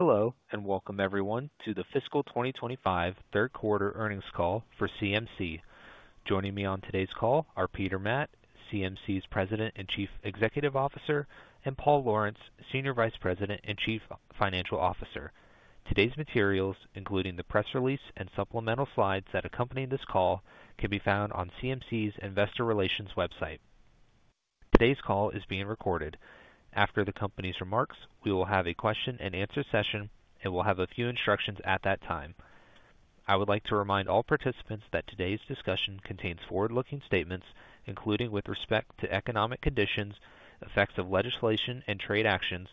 Hello, and welcome everyone to the Fiscal 2025 Third Quarter Earnings Call for CMC. Joining me on today's call are Peter Matt, CMC's President and Chief Executive Officer, and Paul Lawrence, Senior Vice President and Chief Financial Officer. Today's materials, including the press release and supplemental slides that accompany this call, can be found on CMC's Investor Relations website. Today's call is being recorded. After the company's remarks, we will have a question-and-answer session, and we'll have a few instructions at that time. I would like to remind all participants that today's discussion contains forward-looking statements, including with respect to economic conditions, effects of legislation and trade actions,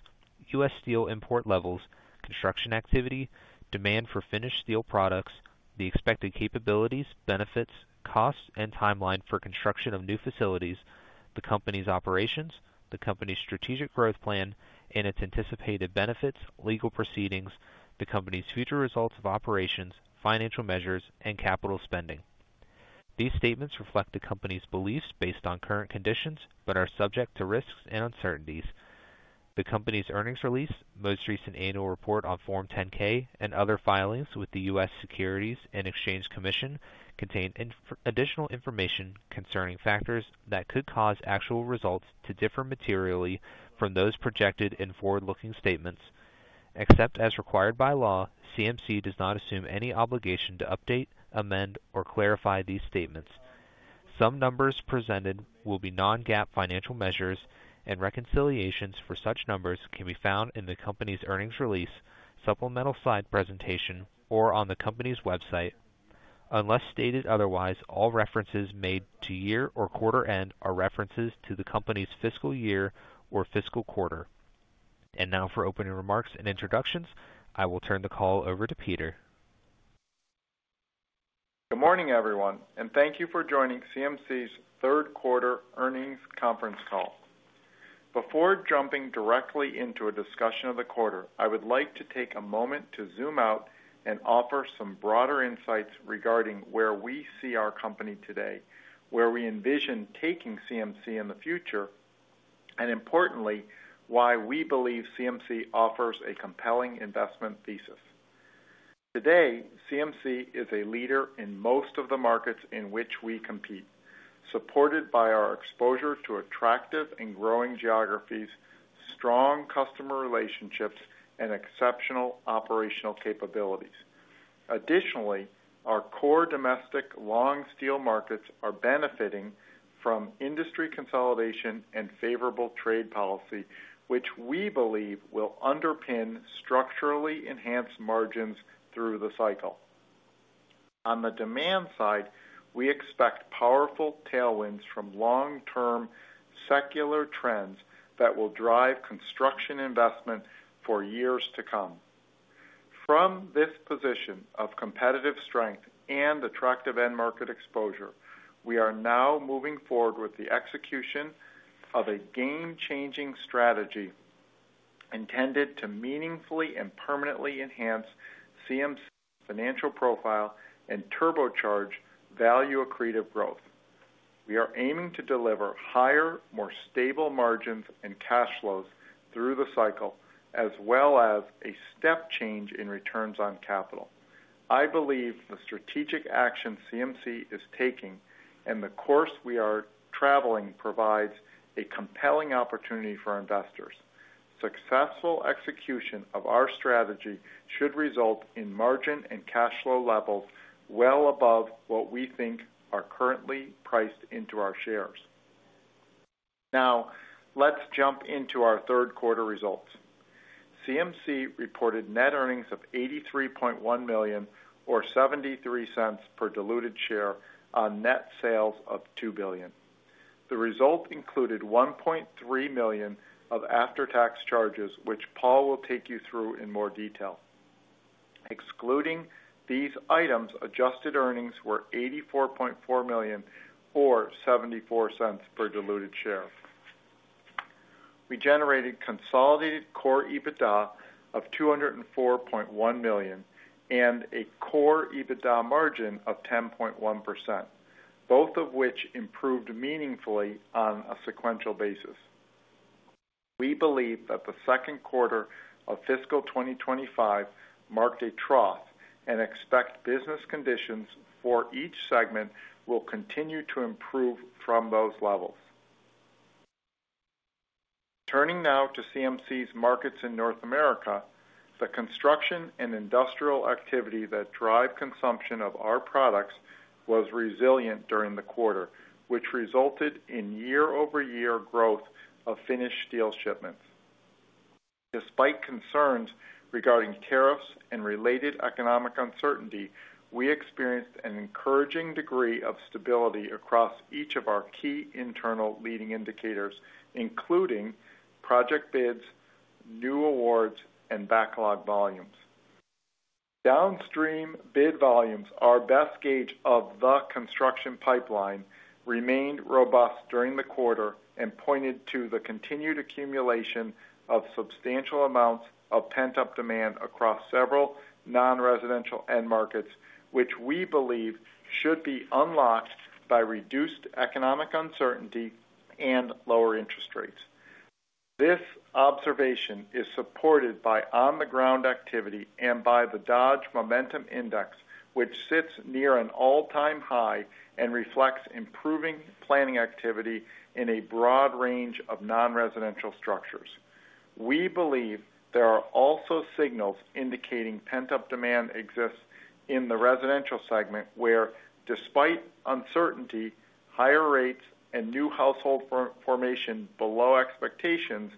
U.S. Steel import levels, construction activity, demand for finished steel products, the expected capabilities, benefits, costs, and timeline for construction of new facilities, the company's operations, the company's strategic growth plan, and its anticipated benefits, legal proceedings, the company's future results of operations, financial measures, and capital spending. These statements reflect the company's beliefs based on current conditions but are subject to risks and uncertainties. The company's earnings release, most recent annual report on Form 10-K, and other filings with the U.S. Securities and Exchange Commission contain additional information concerning factors that could cause actual results to differ materially from those projected in forward-looking statements. Except as required by law, CMC does not assume any obligation to update, amend, or clarify these statements. Some numbers presented will be non-GAAP financial measures, and reconciliations for such numbers can be found in the company's earnings release, supplemental slide presentation, or on the company's website. Unless stated otherwise, all references made to year or quarter end are references to the company's fiscal year or fiscal quarter. For opening remarks and introductions, I will turn the call over to Peter. Good morning, everyone, and thank you for joining CMC's third quarter earnings conference call. Before jumping directly into a discussion of the quarter, I would like to take a moment to zoom out and offer some broader insights regarding where we see our company today, where we envision taking CMC in the future, and importantly, why we believe CMC offers a compelling investment thesis. Today, CMC is a leader in most of the markets in which we compete, supported by our exposure to attractive and growing geographies, strong customer relationships, and exceptional operational capabilities. Additionally, our core domestic long steel markets are benefiting from industry consolidation and favorable trade policy, which we believe will underpin structurally enhanced margins through the cycle. On the demand side, we expect powerful tailwinds from long-term secular trends that will drive construction investment for years to come. From this position of competitive strength and attractive end market exposure, we are now moving forward with the execution of a game-changing strategy intended to meaningfully and permanently enhance CMC's financial profile and turbocharge value-accretive growth. We are aiming to deliver higher, more stable margins and cash flows through the cycle, as well as a step change in returns on capital. I believe the strategic action CMC is taking and the course we are traveling provides a compelling opportunity for investors. Successful execution of our strategy should result in margin and cash flow levels well above what we think are currently priced into our shares. Now, let's jump into our third quarter results. CMC reported net earnings of $83.1 million, or $0.73 per diluted share, on net sales of $2 billion. The result included $1.3 million of after-tax charges, which Paul will take you through in more detail. Excluding these items, adjusted earnings were $84.4 million, or $0.74 per diluted share. We generated consolidated core EBITDA of $204.1 million and a core EBITDA margin of 10.1%, both of which improved meaningfully on a sequential basis. We believe that the second quarter of fiscal 2025 marked a trough and expect business conditions for each segment will continue to improve from those levels. Turning now to CMC's markets in North America, the construction and industrial activity that drive consumption of our products was resilient during the quarter, which resulted in year-over-year growth of finished steel shipments. Despite concerns regarding tariffs and related economic uncertainty, we experienced an encouraging degree of stability across each of our key internal leading indicators, including project bids, new awards, and backlog volumes. Downstream bid volumes, our best gauge of the construction pipeline, remained robust during the quarter and pointed to the continued accumulation of substantial amounts of pent-up demand across several non-residential end markets, which we believe should be unlocked by reduced economic uncertainty and lower interest rates. This observation is supported by on-the-ground activity and by the Dodge Momentum Index, which sits near an all-time high and reflects improving planning activity in a broad range of non-residential structures. We believe there are also signals indicating pent-up demand exists in the residential segment where, despite uncertainty, higher rates and new household formation below expectations,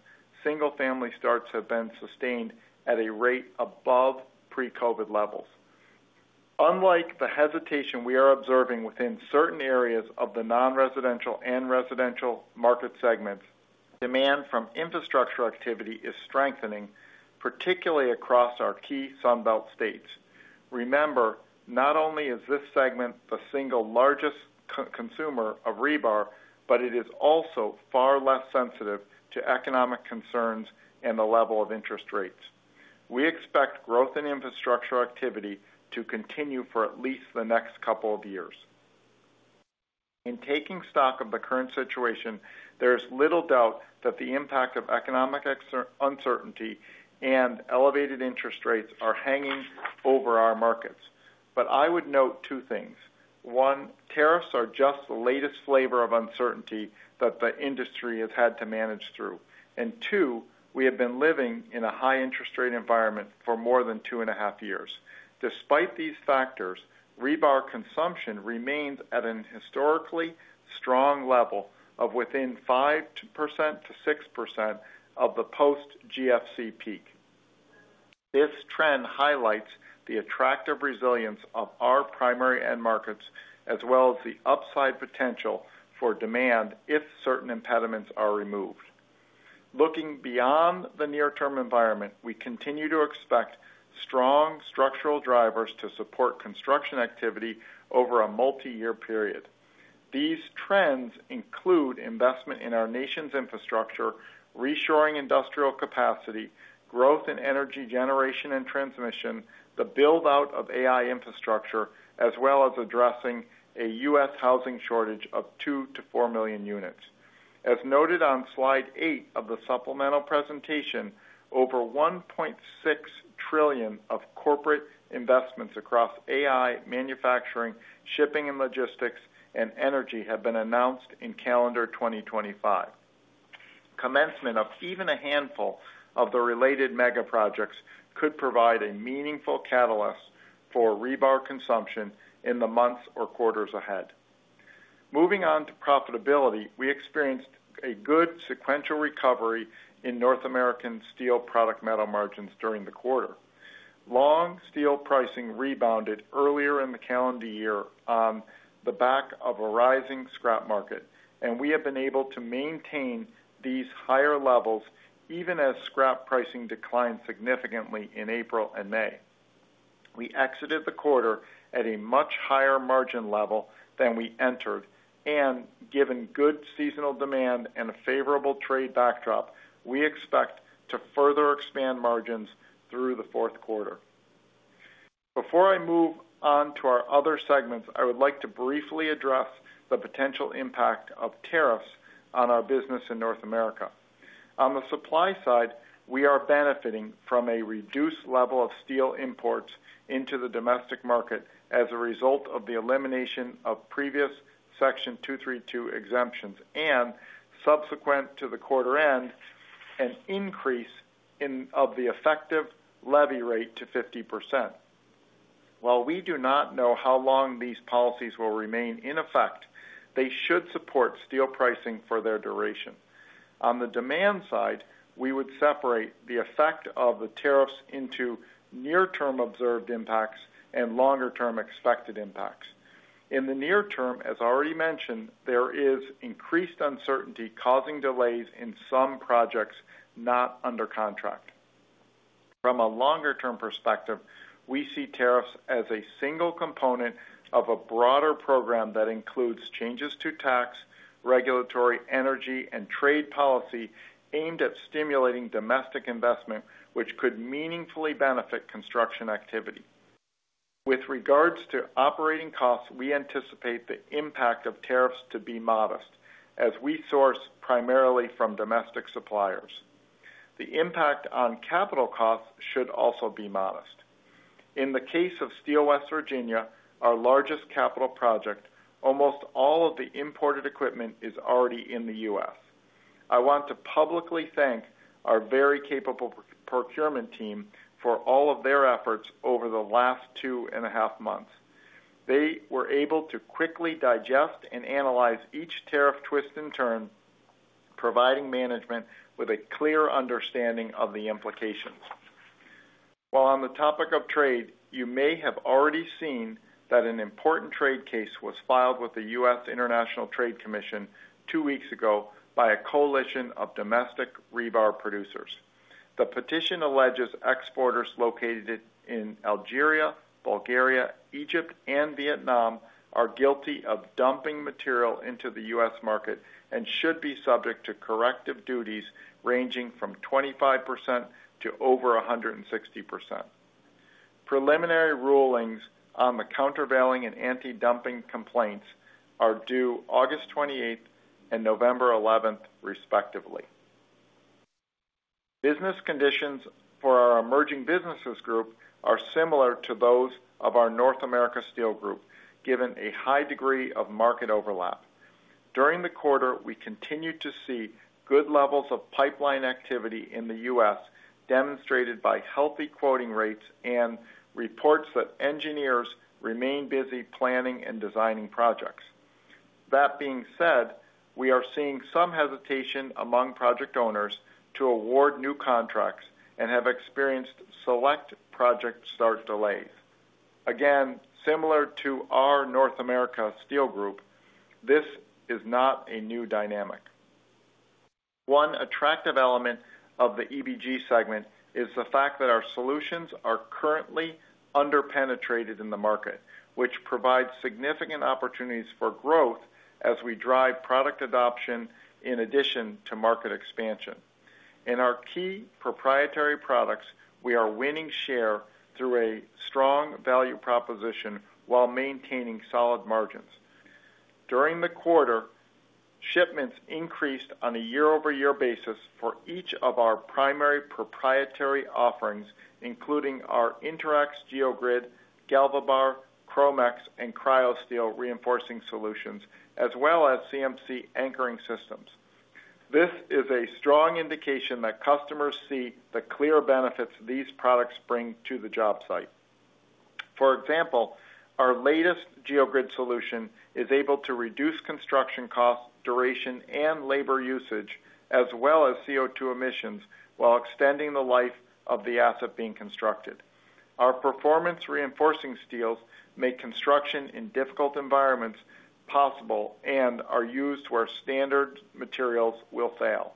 single-family starts have been sustained at a rate above pre-COVID levels. Unlike the hesitation we are observing within certain areas of the non-residential and residential market segments, demand from infrastructure activity is strengthening, particularly across our key Sunbelt states. Remember, not only is this segment the single largest consumer of rebar, but it is also far less sensitive to economic concerns and the level of interest rates. We expect growth in infrastructure activity to continue for at least the next couple of years. In taking stock of the current situation, there is little doubt that the impact of economic uncertainty and elevated interest rates are hanging over our markets. I would note two things. One, tariffs are just the latest flavor of uncertainty that the industry has had to manage through. Two, we have been living in a high-interest rate environment for more than two and a half years. Despite these factors, rebar consumption remains at a historically strong level of within 5%-6% of the post-GFC peak. This trend highlights the attractive resilience of our primary end markets, as well as the upside potential for demand if certain impediments are removed. Looking beyond the near-term environment, we continue to expect strong structural drivers to support construction activity over a multi-year period. These trends include investment in our nation's infrastructure, reshoring industrial capacity, growth in energy generation and transmission, the build-out of AI infrastructure, as well as addressing a U.S. housing shortage of 2-4 million units. As noted on slide 8 of the supplemental presentation, over $1.6 trillion of corporate investments across AI, manufacturing, shipping and logistics, and energy have been announced in calendar 2025. Commencement of even a handful of the related mega projects could provide a meaningful catalyst for rebar consumption in the months or quarters ahead. Moving on to profitability, we experienced a good sequential recovery in North American steel product metal margins during the quarter. Long steel pricing rebounded earlier in the calendar year on the back of a rising scrap market, and we have been able to maintain these higher levels even as scrap pricing declined significantly in April and May. We exited the quarter at a much higher margin level than we entered, and given good seasonal demand and a favorable trade backdrop, we expect to further expand margins through the fourth quarter. Before I move on to our other segments, I would like to briefly address the potential impact of tariffs on our business in North America. On the supply side, we are benefiting from a reduced level of steel imports into the domestic market as a result of the elimination of previous Section 232 exemptions and, subsequent to the quarter end, an increase of the effective levy rate to 50%. While we do not know how long these policies will remain in effect, they should support steel pricing for their duration. On the demand side, we would separate the effect of the tariffs into near-term observed impacts and longer-term expected impacts. In the near term, as already mentioned, there is increased uncertainty causing delays in some projects not under contract. From a longer-term perspective, we see tariffs as a single component of a broader program that includes changes to tax, regulatory, energy, and trade policy aimed at stimulating domestic investment, which could meaningfully benefit construction activity. With regards to operating costs, we anticipate the impact of tariffs to be modest, as we source primarily from domestic suppliers. The impact on capital costs should also be modest. In the case of Steel West Virginia, our largest capital project, almost all of the imported equipment is already in the U.S. I want to publicly thank our very capable procurement team for all of their efforts over the last two and a half months. They were able to quickly digest and analyze each tariff twist and turn, providing management with a clear understanding of the implications. While on the topic of trade, you may have already seen that an important trade case was filed with the U.S. International Trade Commission two weeks ago by a coalition of domestic rebar producers. The petition alleges exporters located in Algeria, Bulgaria, Egypt, and Vietnam are guilty of dumping material into the U.S. market and should be subject to corrective duties ranging from 25% to over 160%. Preliminary rulings on the countervailing and anti-dumping complaints are due August 28th and November 11th, respectively. Business conditions for our emerging businesses group are similar to those of our North America steel group, given a high degree of market overlap. During the quarter, we continue to see good levels of pipeline activity in the U.S., demonstrated by healthy quoting rates and reports that engineers remain busy planning and designing projects. That being said, we are seeing some hesitation among project owners to award new contracts and have experienced select project start delays. Again, similar to our North America steel group, this is not a new dynamic. One attractive element of the EBG segment is the fact that our solutions are currently under-penetrated in the market, which provides significant opportunities for growth as we drive product adoption in addition to market expansion. In our key proprietary products, we are winning share through a strong value proposition while maintaining solid margins. During the quarter, shipments increased on a year-over-year basis for each of our primary proprietary offerings, including our InterAx Geogrid, GalvaBar, ChromaX, and CryoSteel reinforcing solutions, as well as CMC Anchoring Systems. This is a strong indication that customers see the clear benefits these products bring to the job site. For example, our latest Geogrid solution is able to reduce construction costs, duration, and labor usage, as well as CO2 emissions while extending the life of the asset being constructed. Our performance reinforcing steels make construction in difficult environments possible and are used where standard materials will fail.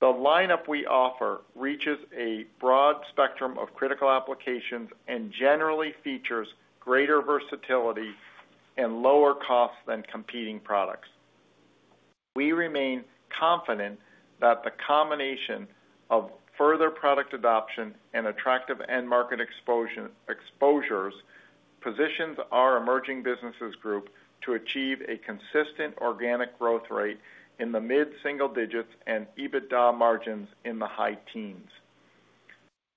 The lineup we offer reaches a broad spectrum of critical applications and generally features greater versatility and lower costs than competing products. We remain confident that the combination of further product adoption and attractive end market exposures positions our emerging businesses group to achieve a consistent organic growth rate in the mid-single digits and EBITDA margins in the high teens.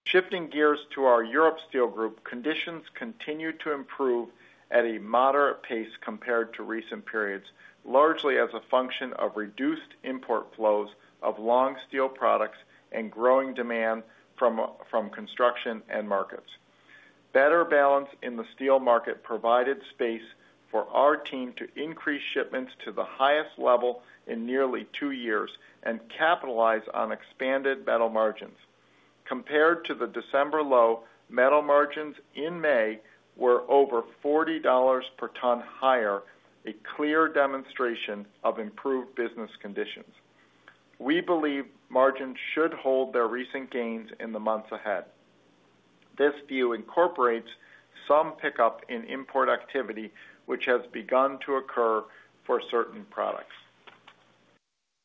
Shifting gears to our Europe Steel Group, conditions continue to improve at a moderate pace compared to recent periods, largely as a function of reduced import flows of long steel products and growing demand from construction and markets. Better balance in the steel market provided space for our team to increase shipments to the highest level in nearly two years and capitalize on expanded metal margins. Compared to the December low, metal margins in May were over $40 per ton higher, a clear demonstration of improved business conditions. We believe margins should hold their recent gains in the months ahead. This view incorporates some pickup in import activity, which has begun to occur for certain products.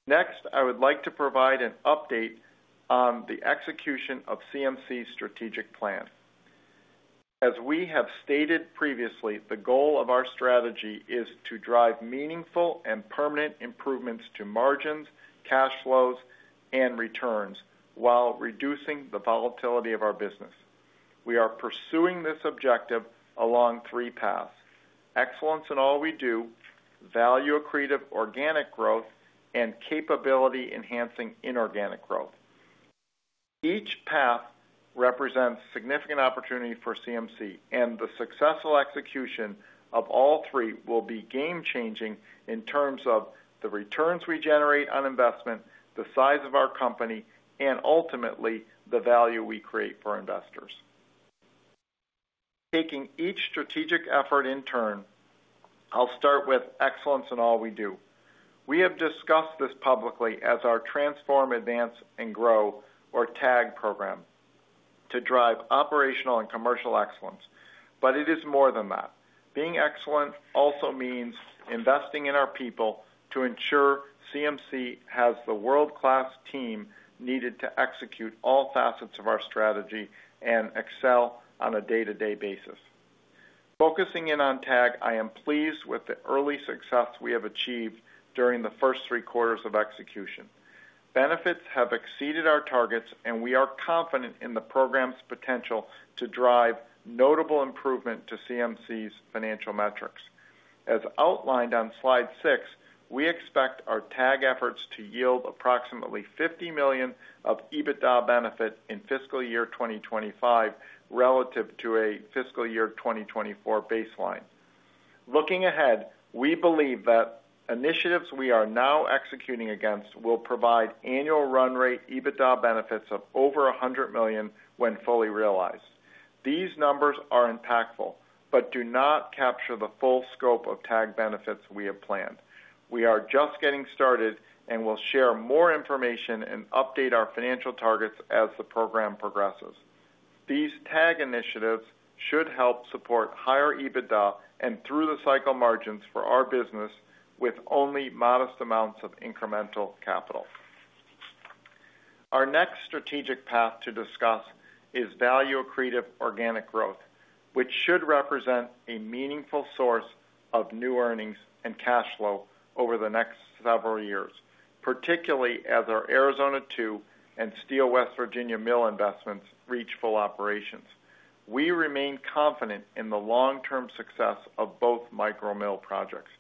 Next, I would like to provide an update on the execution of CMC's strategic plan. As we have stated previously, the goal of our strategy is to drive meaningful and permanent improvements to margins, cash flows, and returns while reducing the volatility of our business. We are pursuing this objective along three paths: excellence in all we do, value-accretive organic growth, and capability-enhancing inorganic growth. Each path represents significant opportunity for CMC, and the successful execution of all three will be game-changing in terms of the returns we generate on investment, the size of our company, and ultimately the value we create for investors. Taking each strategic effort in turn, I'll start with excellence in all we do. We have discussed this publicly as our Transform, Advance, and Grow, or TAG, program to drive operational and commercial excellence, but it is more than that. Being excellent also means investing in our people to ensure CMC has the world-class team needed to execute all facets of our strategy and excel on a day-to-day basis. Focusing in on TAG, I am pleased with the early success we have achieved during the first three quarters of execution. Benefits have exceeded our targets, and we are confident in the program's potential to drive notable improvement to CMC's financial metrics. As outlined on slide 6, we expect our TAG efforts to yield approximately $50 million of EBITDA benefit in fiscal year 2025 relative to a fiscal year 2024 baseline. Looking ahead, we believe that initiatives we are now executing against will provide annual run rate EBITDA benefits of over $100 million when fully realized. These numbers are impactful but do not capture the full scope of TAG benefits we have planned. We are just getting started, and we'll share more information and update our financial targets as the program progresses. These TAG initiatives should help support higher EBITDA and through-the-cycle margins for our business with only modest amounts of incremental capital. Our next strategic path to discuss is value-accretive organic growth, which should represent a meaningful source of new earnings and cash flow over the next several years, particularly as our Arizona 2 and Steel West Virginia mill investments reach full operations. We remain confident in the long-term success of both micro mill projects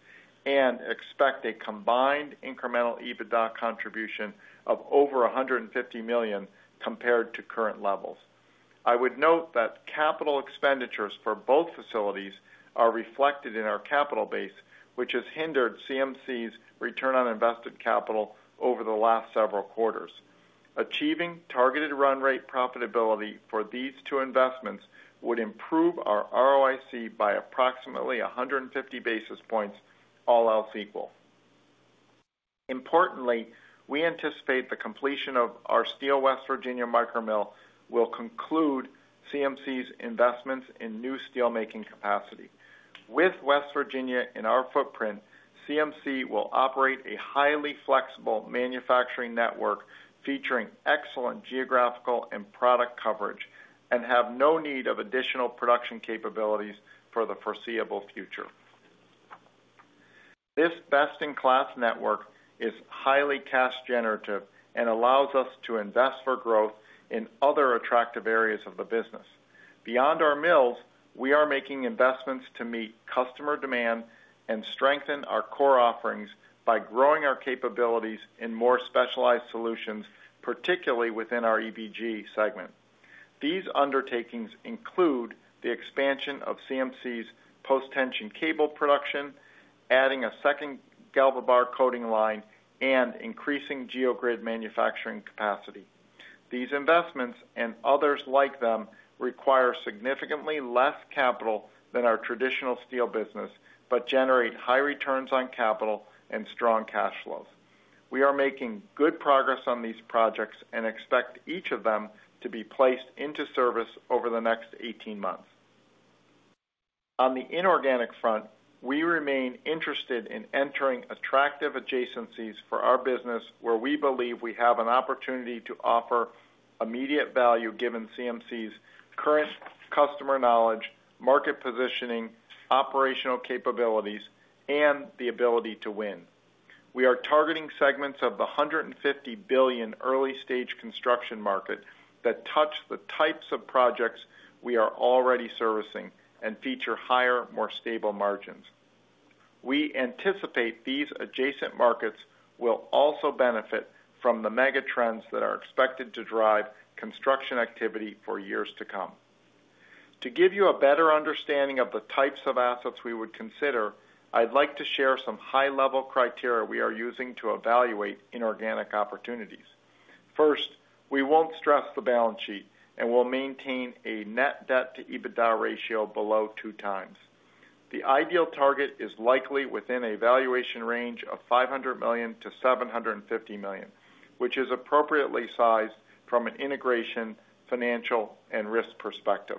and expect a combined incremental EBITDA contribution of over $150 million compared to current levels. I would note that capital expenditures for both facilities are reflected in our capital base, which has hindered CMC's return on invested capital over the last several quarters. Achieving targeted run rate profitability for these two investments would improve our ROIC by approximately 150 basis points, all else equal. Importantly, we anticipate the completion of our Steel West Virginia micro mill will conclude CMC's investments in new steelmaking capacity. With West Virginia in our footprint, CMC will operate a highly flexible manufacturing network featuring excellent geographical and product coverage and have no need of additional production capabilities for the foreseeable future. This best-in-class network is highly cash-generative and allows us to invest for growth in other attractive areas of the business. Beyond our mills, we are making investments to meet customer demand and strengthen our core offerings by growing our capabilities in more specialized solutions, particularly within our EBG segment. These undertakings include the expansion of CMC's post-tension cable production, adding a second GalvaBar coating line, and increasing Geogrid manufacturing capacity. These investments and others like them require significantly less capital than our traditional steel business but generate high returns on capital and strong cash flows. We are making good progress on these projects and expect each of them to be placed into service over the next 18 months. On the inorganic front, we remain interested in entering attractive adjacencies for our business where we believe we have an opportunity to offer immediate value given CMC's current customer knowledge, market positioning, operational capabilities, and the ability to win. We are targeting segments of the $150 billion early-stage construction market that touch the types of projects we are already servicing and feature higher, more stable margins. We anticipate these adjacent markets will also benefit from the mega trends that are expected to drive construction activity for years to come. To give you a better understanding of the types of assets we would consider, I'd like to share some high-level criteria we are using to evaluate inorganic opportunities. First, we won't stress the balance sheet and will maintain a net debt-to-EBITDA ratio below two times. The ideal target is likely within a valuation range of $500 million-$750 million, which is appropriately sized from an integration, financial, and risk perspective.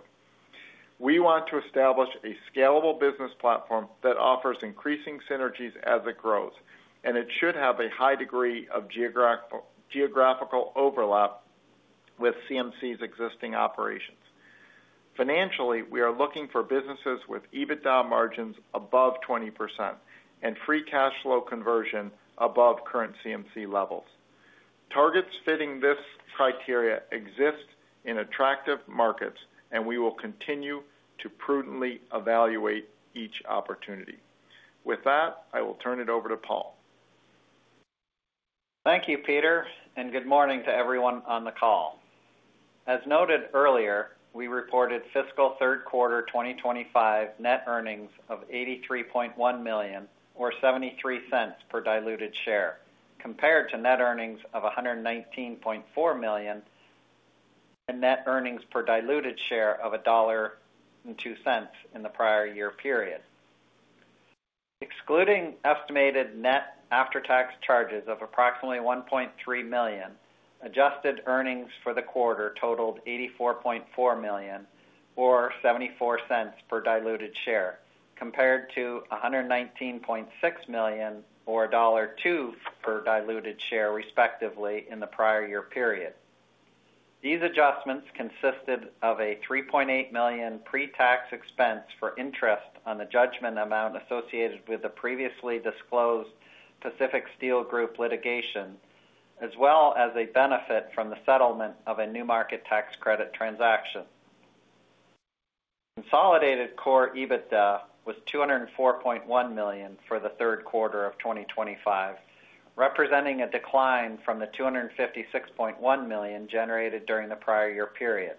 We want to establish a scalable business platform that offers increasing synergies as it grows, and it should have a high degree of geographical overlap with CMC's existing operations. Financially, we are looking for businesses with EBITDA margins above 20% and free cash flow conversion above current CMC levels. Targets fitting this criteria exist in attractive markets, and we will continue to prudently evaluate each opportunity. With that, I will turn it over to Paul. Thank you, Peter, and good morning to everyone on the call. As noted earlier, we reported fiscal third quarter 2025 net earnings of $83.1 million, or $0.73 per diluted share, compared to net earnings of $119.4 million and net earnings per diluted share of $1.02 in the prior year period. Excluding estimated net after-tax charges of approximately $1.3 million, adjusted earnings for the quarter totaled $84.4 million, or $0.74 per diluted share, compared to $119.6 million or $1.02 per diluted share, respectively, in the prior year period. These adjustments consisted of a $3.8 million pre-tax expense for interest on the judgment amount associated with the previously disclosed Pacific Steel Group litigation, as well as a benefit from the settlement of a new market tax credit transaction. Consolidated core EBITDA was $204.1 million for the third quarter of 2025, representing a decline from the $256.1 million generated during the prior year period.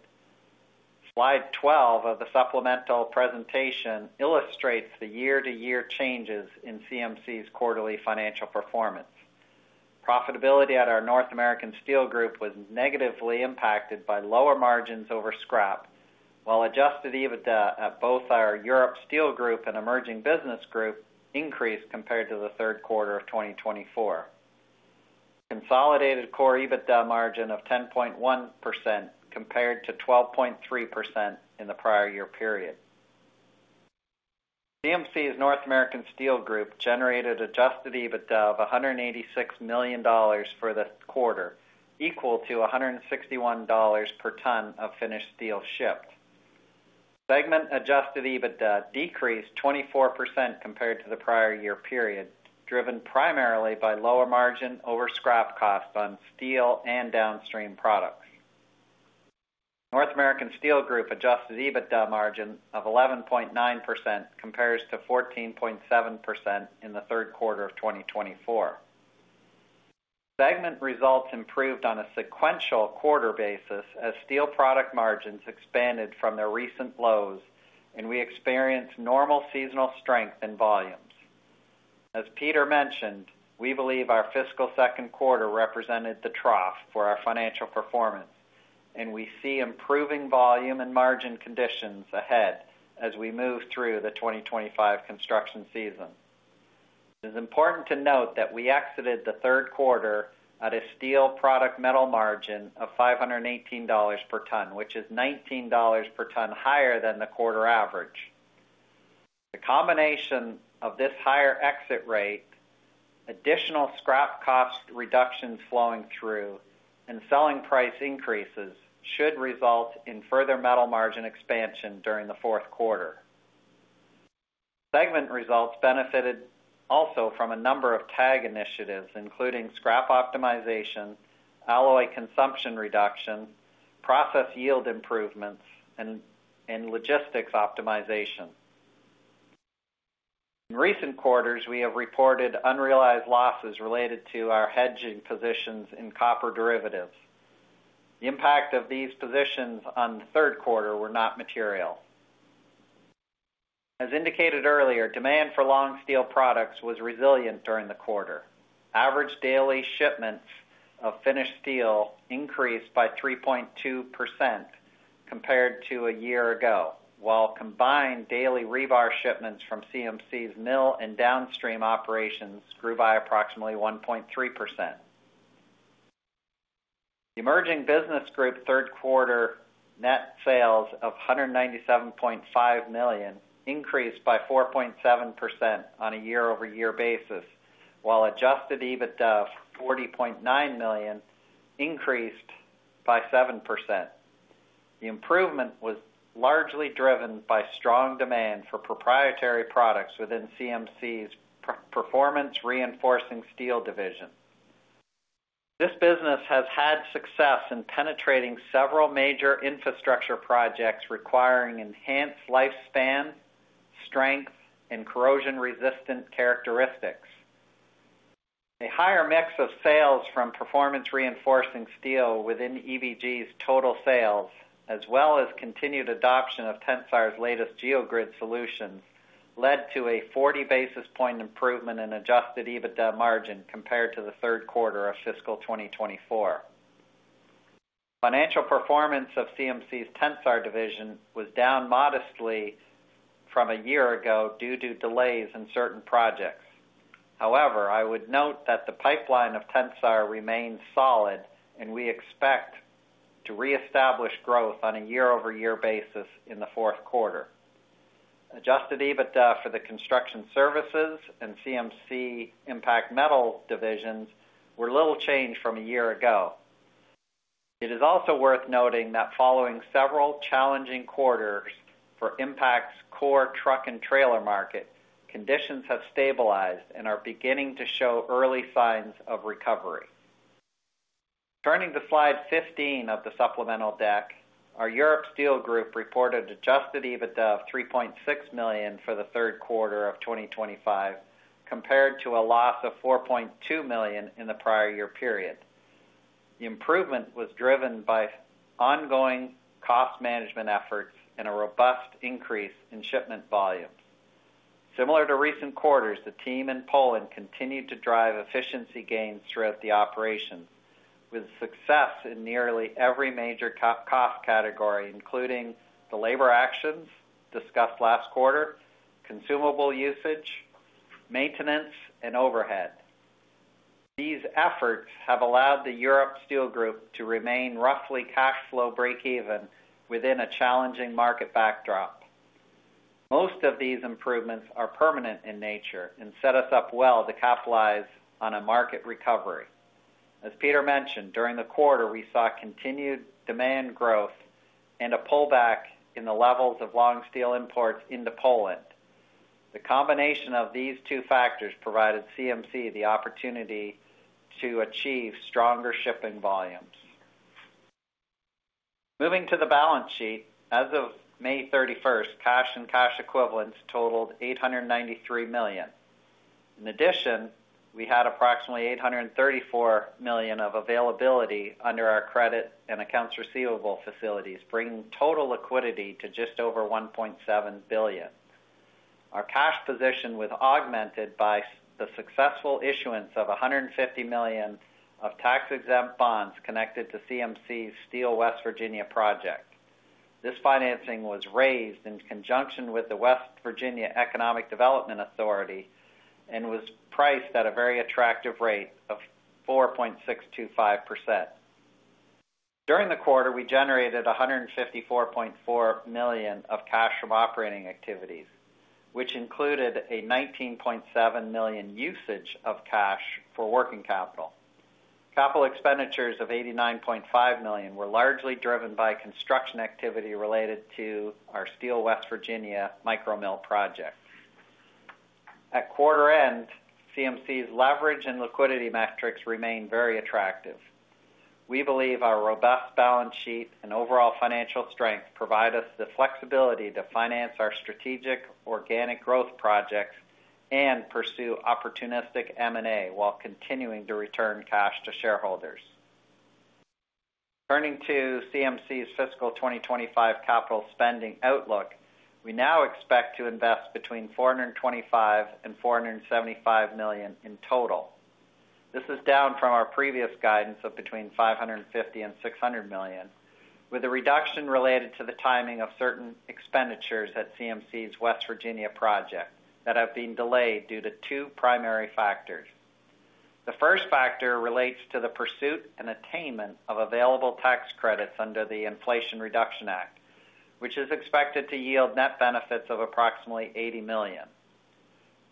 Slide 12 of the supplemental presentation illustrates the year-to-year changes in CMC's quarterly financial performance. Profitability at our North American Steel Group was negatively impacted by lower margins over scrap, while adjusted EBITDA at both our Europe Steel Group and Emerging Business Group increased compared to the third quarter of 2024. Consolidated core EBITDA margin of 10.1% compared to 12.3% in the prior year period. CMC's North American Steel Group generated adjusted EBITDA of $186 million for the quarter, equal to $161 per ton of finished steel shipped. Segment adjusted EBITDA decreased 24% compared to the prior year period, driven primarily by lower margin over scrap costs on steel and downstream products. North American Steel Group adjusted EBITDA margin of 11.9% compares to 14.7% in the third quarter of 2024. Segment results improved on a sequential quarter basis as steel product margins expanded from their recent lows, and we experienced normal seasonal strength in volumes. As Peter mentioned, we believe our fiscal second quarter represented the trough for our financial performance, and we see improving volume and margin conditions ahead as we move through the 2025 construction season. It is important to note that we exited the third quarter at a steel product metal margin of $518 per ton, which is $19 per ton higher than the quarter average. The combination of this higher exit rate, additional scrap cost reductions flowing through, and selling price increases should result in further metal margin expansion during the fourth quarter. Segment results benefited also from a number of TAG initiatives, including scrap optimization, alloy consumption reduction, process yield improvements, and logistics optimization. In recent quarters, we have reported unrealized losses related to our hedging positions in copper derivatives. The impact of these positions on the third quarter was not material. As indicated earlier, demand for long steel products was resilient during the quarter. Average daily shipments of finished steel increased by 3.2% compared to a year ago, while combined daily rebar shipments from CMC's mill and downstream operations grew by approximately 1.3%. The Emerging Business Group third quarter net sales of $197.5 million increased by 4.7% on a year-over-year basis, while adjusted EBITDA of $40.9 million increased by 7%. The improvement was largely driven by strong demand for proprietary products within CMC's Performance Reinforcing Steel division. This business has had success in penetrating several major infrastructure projects requiring enhanced lifespan, strength, and corrosion-resistant characteristics. A higher mix of sales from performance-reinforcing steel within EBG's total sales, as well as continued adoption of Tensar's latest Geogrid solutions, led to a 40 basis point improvement in adjusted EBITDA margin compared to the third quarter of fiscal 2024. Financial performance of CMC's Tensar division was down modestly from a year ago due to delays in certain projects. However, I would note that the pipeline of Tensar remains solid, and we expect to reestablish growth on a year-over-year basis in the fourth quarter. Adjusted EBITDA for the Construction Services and CMC Impact Metals divisions were little changed from a year ago. It is also worth noting that following several challenging quarters for Impact's core truck and trailer market, conditions have stabilized and are beginning to show early signs of recovery. Turning to slide 15 of the supplemental deck, our Europe Steel Group reported adjusted EBITDA of $3.6 million for the third quarter of 2025, compared to a loss of $4.2 million in the prior year period. The improvement was driven by ongoing cost management efforts and a robust increase in shipment volumes. Similar to recent quarters, the team in Poland continued to drive efficiency gains throughout the operations, with success in nearly every major cost category, including the labor actions discussed last quarter, consumable usage, maintenance, and overhead. These efforts have allowed the Europe Steel Group to remain roughly cash flow break-even within a challenging market backdrop. Most of these improvements are permanent in nature and set us up well to capitalize on a market recovery. As Peter mentioned, during the quarter, we saw continued demand growth and a pullback in the levels of long steel imports into Poland. The combination of these two factors provided CMC the opportunity to achieve stronger shipping volumes. Moving to the balance sheet, as of May 31, cash and cash equivalents totaled $893 million. In addition, we had approximately $834 million of availability under our credit and accounts receivable facilities, bringing total liquidity to just over $1.7 billion. Our cash position was augmented by the successful issuance of $150 million of tax-exempt bonds connected to CMC's Steel West Virginia project. This financing was raised in conjunction with the West Virginia Economic Development Authority and was priced at a very attractive rate of 4.625%. During the quarter, we generated $154.4 million of cash from operating activities, which included a $19.7 million usage of cash for working capital. Capital expenditures of $89.5 million were largely driven by construction activity related to our Steel West Virginia micromill project. At quarter end, CMC's leverage and liquidity metrics remained very attractive. We believe our robust balance sheet and overall financial strength provide us the flexibility to finance our strategic organic growth projects and pursue opportunistic M&A while continuing to return cash to shareholders. Turning to CMC's fiscal 2025 capital spending outlook, we now expect to invest between $425 million and $475 million in total. This is down from our previous guidance of between $550 million and $600 million, with a reduction related to the timing of certain expenditures at CMC's West Virginia project that have been delayed due to two primary factors. The first factor relates to the pursuit and attainment of available tax credits under the Inflation Reduction Act, which is expected to yield net benefits of approximately $80 million.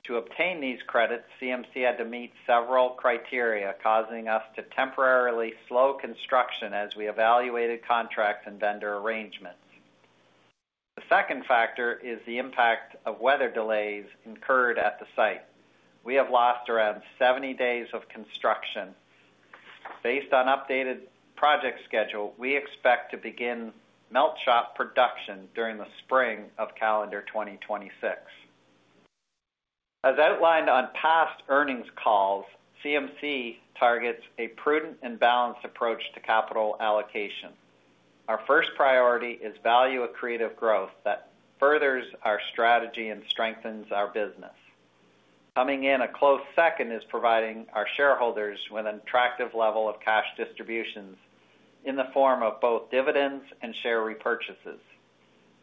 To obtain these credits, CMC had to meet several criteria, causing us to temporarily slow construction as we evaluated contracts and vendor arrangements. The second factor is the impact of weather delays incurred at the site. We have lost around 70 days of construction. Based on updated project schedule, we expect to begin melt shop production during the spring of calendar 2026. As outlined on past earnings calls, CMC targets a prudent and balanced approach to capital allocation. Our first priority is value-accretive growth that furthers our strategy and strengthens our business. Coming in a close second is providing our shareholders with an attractive level of cash distributions in the form of both dividends and share repurchases.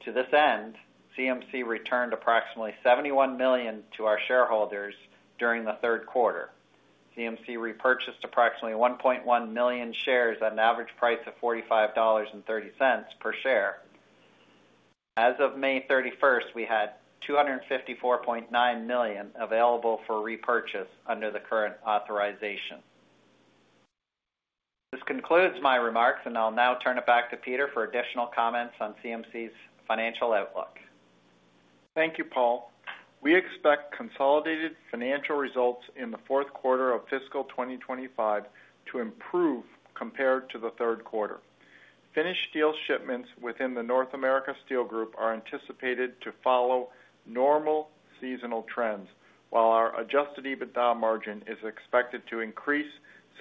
To this end, CMC returned approximately $71 million to our shareholders during the third quarter. CMC repurchased approximately 1.1 million shares at an average price of $45.30 per share. As of May 31, we had $254.9 million available for repurchase under the current authorization. This concludes my remarks, and I'll now turn it back to Peter for additional comments on CMC's financial outlook. Thank you, Paul. We expect consolidated financial results in the fourth quarter of fiscal 2025 to improve compared to the third quarter. Finished steel shipments within the North America Steel Group are anticipated to follow normal seasonal trends, while our adjusted EBITDA margin is expected to increase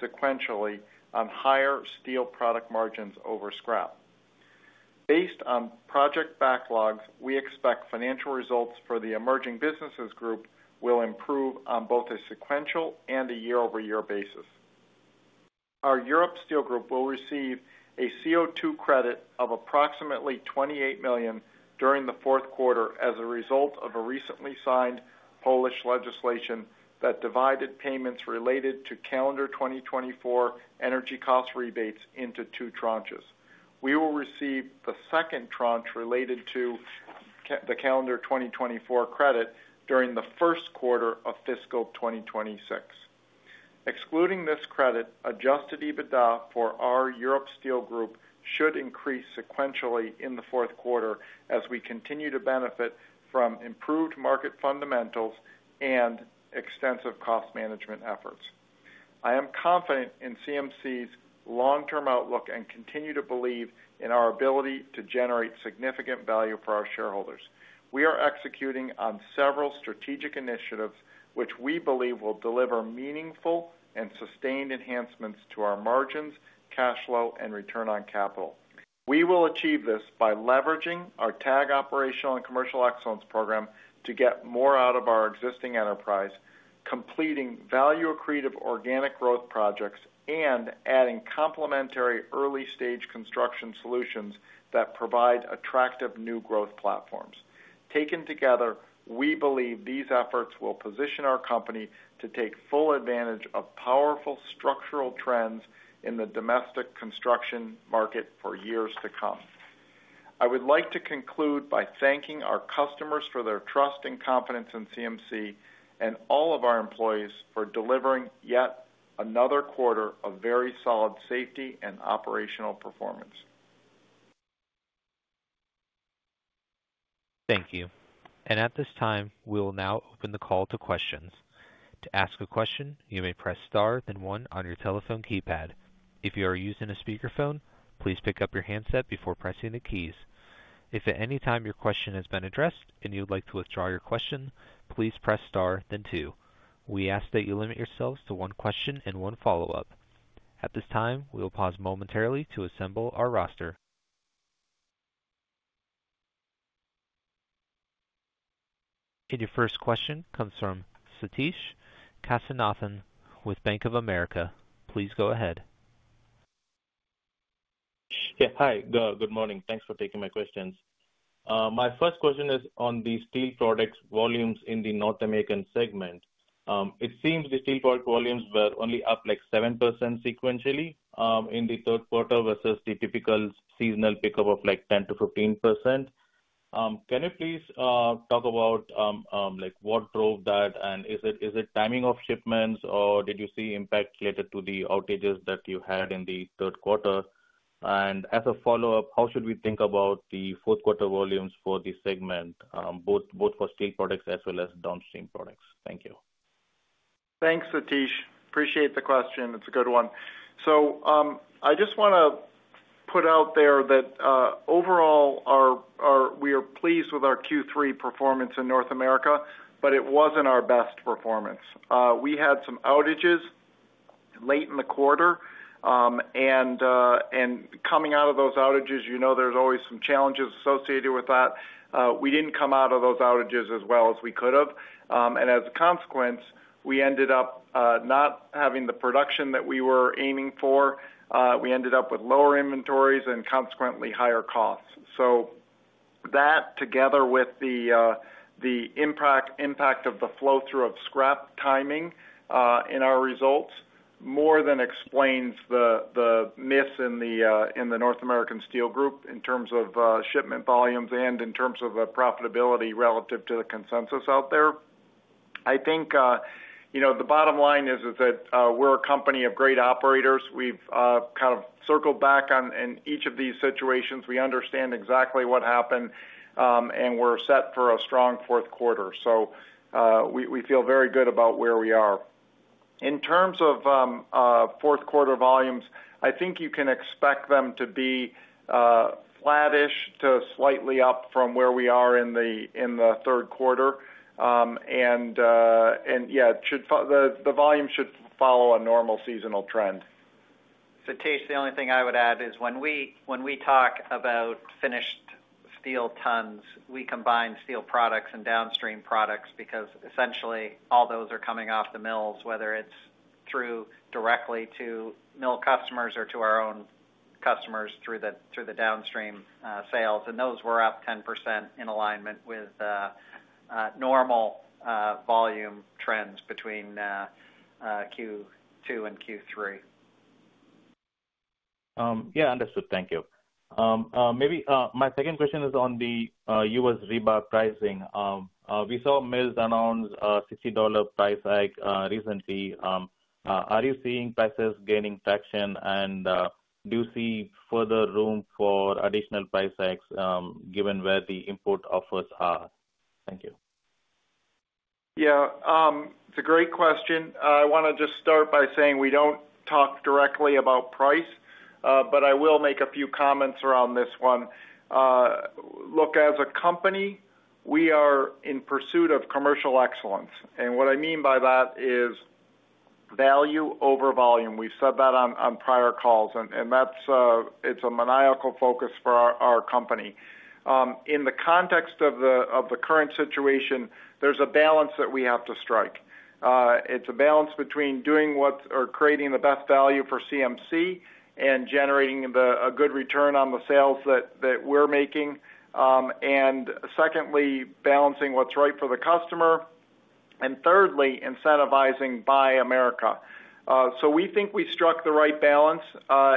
sequentially on higher steel product margins over scrap. Based on project backlogs, we expect financial results for the Emerging Businesses Group will improve on both a sequential and a year-over-year basis. Our Europe Steel Group will receive a CO2 credit of approximately $28 million during the fourth quarter as a result of a recently signed Polish legislation that divided payments related to calendar 2024 energy cost rebates into two tranches. We will receive the second tranche related to the calendar 2024 credit during the first quarter of fiscal 2026. Excluding this credit, adjusted EBITDA for our Europe Steel Group should increase sequentially in the fourth quarter as we continue to benefit from improved market fundamentals and extensive cost management efforts. I am confident in CMC's long-term outlook and continue to believe in our ability to generate significant value for our shareholders. We are executing on several strategic initiatives, which we believe will deliver meaningful and sustained enhancements to our margins, cash flow, and return on capital. We will achieve this by leveraging our TAG operational and commercial excellence program to get more out of our existing enterprise, completing value-accretive organic growth projects and adding complementary early-stage construction solutions that provide attractive new growth platforms. Taken together, we believe these efforts will position our company to take full advantage of powerful structural trends in the domestic construction market for years to come. I would like to conclude by thanking our customers for their trust and confidence in CMC and all of our employees for delivering yet another quarter of very solid safety and operational performance. Thank you. At this time, we will now open the call to questions. To ask a question, you may press star then one on your telephone keypad. If you are using a speakerphone, please pick up your handset before pressing the keys. If at any time your question has been addressed and you would like to withdraw your question, please press star then two. We ask that you limit yourselves to one question and one follow-up. At this time, we will pause momentarily to assemble our roster. Your first question comes from Satish Kasinathan with Bank of America. Please go ahead. Yeah, hi. Good morning. Thanks for taking my questions. My first question is on the steel product volumes in the North American segment. It seems the steel product volumes were only up like 7% sequentially in the third quarter versus the typical seasonal pickup of like 10-15%. Can you please talk about what drove that? Is it timing of shipments, or did you see impact related to the outages that you had in the third quarter? As a follow-up, how should we think about the fourth quarter volumes for the segment, both for steel products as well as downstream products? Thank you. Thanks, Satish. Appreciate the question. It's a good one. I just want to put out there that overall, we are pleased with our Q3 performance in North America, but it wasn't our best performance. We had some outages late in the quarter. Coming out of those outages, you know there's always some challenges associated with that. We didn't come out of those outages as well as we could have. As a consequence, we ended up not having the production that we were aiming for. We ended up with lower inventories and consequently higher costs. That, together with the impact of the flow-through of scrap timing in our results, more than explains the myths in the North American Steel Group in terms of shipment volumes and in terms of profitability relative to the consensus out there. I think the bottom line is that we're a company of great operators. We've kind of circled back on each of these situations. We understand exactly what happened, and we're set for a strong fourth quarter. We feel very good about where we are. In terms of fourth quarter volumes, I think you can expect them to be flattish to slightly up from where we are in the third quarter. The volume should follow a normal seasonal trend. Satish, the only thing I would add is when we talk about finished steel tons, we combine steel products and downstream products because essentially all those are coming off the mills, whether it is through directly to mill customers or to our own customers through the downstream sales. Those were up 10% in alignment with normal volume trends between Q2 and Q3. Yeah, understood. Thank you. Maybe my second question is on the U.S. rebar pricing. We saw mills announce a $60 price hike recently. Are you seeing prices gaining traction, and do you see further room for additional price hikes given where the import offers are? Thank you. Yeah, it's a great question. I want to just start by saying we don't talk directly about price, but I will make a few comments around this one. Look, as a company, we are in pursuit of commercial excellence. And what I mean by that is value over volume. We've said that on prior calls, and it's a maniacal focus for our company. In the context of the current situation, there's a balance that we have to strike. It's a balance between creating the best value for CMC and generating a good return on the sales that we're making. And secondly, balancing what's right for the customer. And thirdly, incentivizing Buy America. So we think we struck the right balance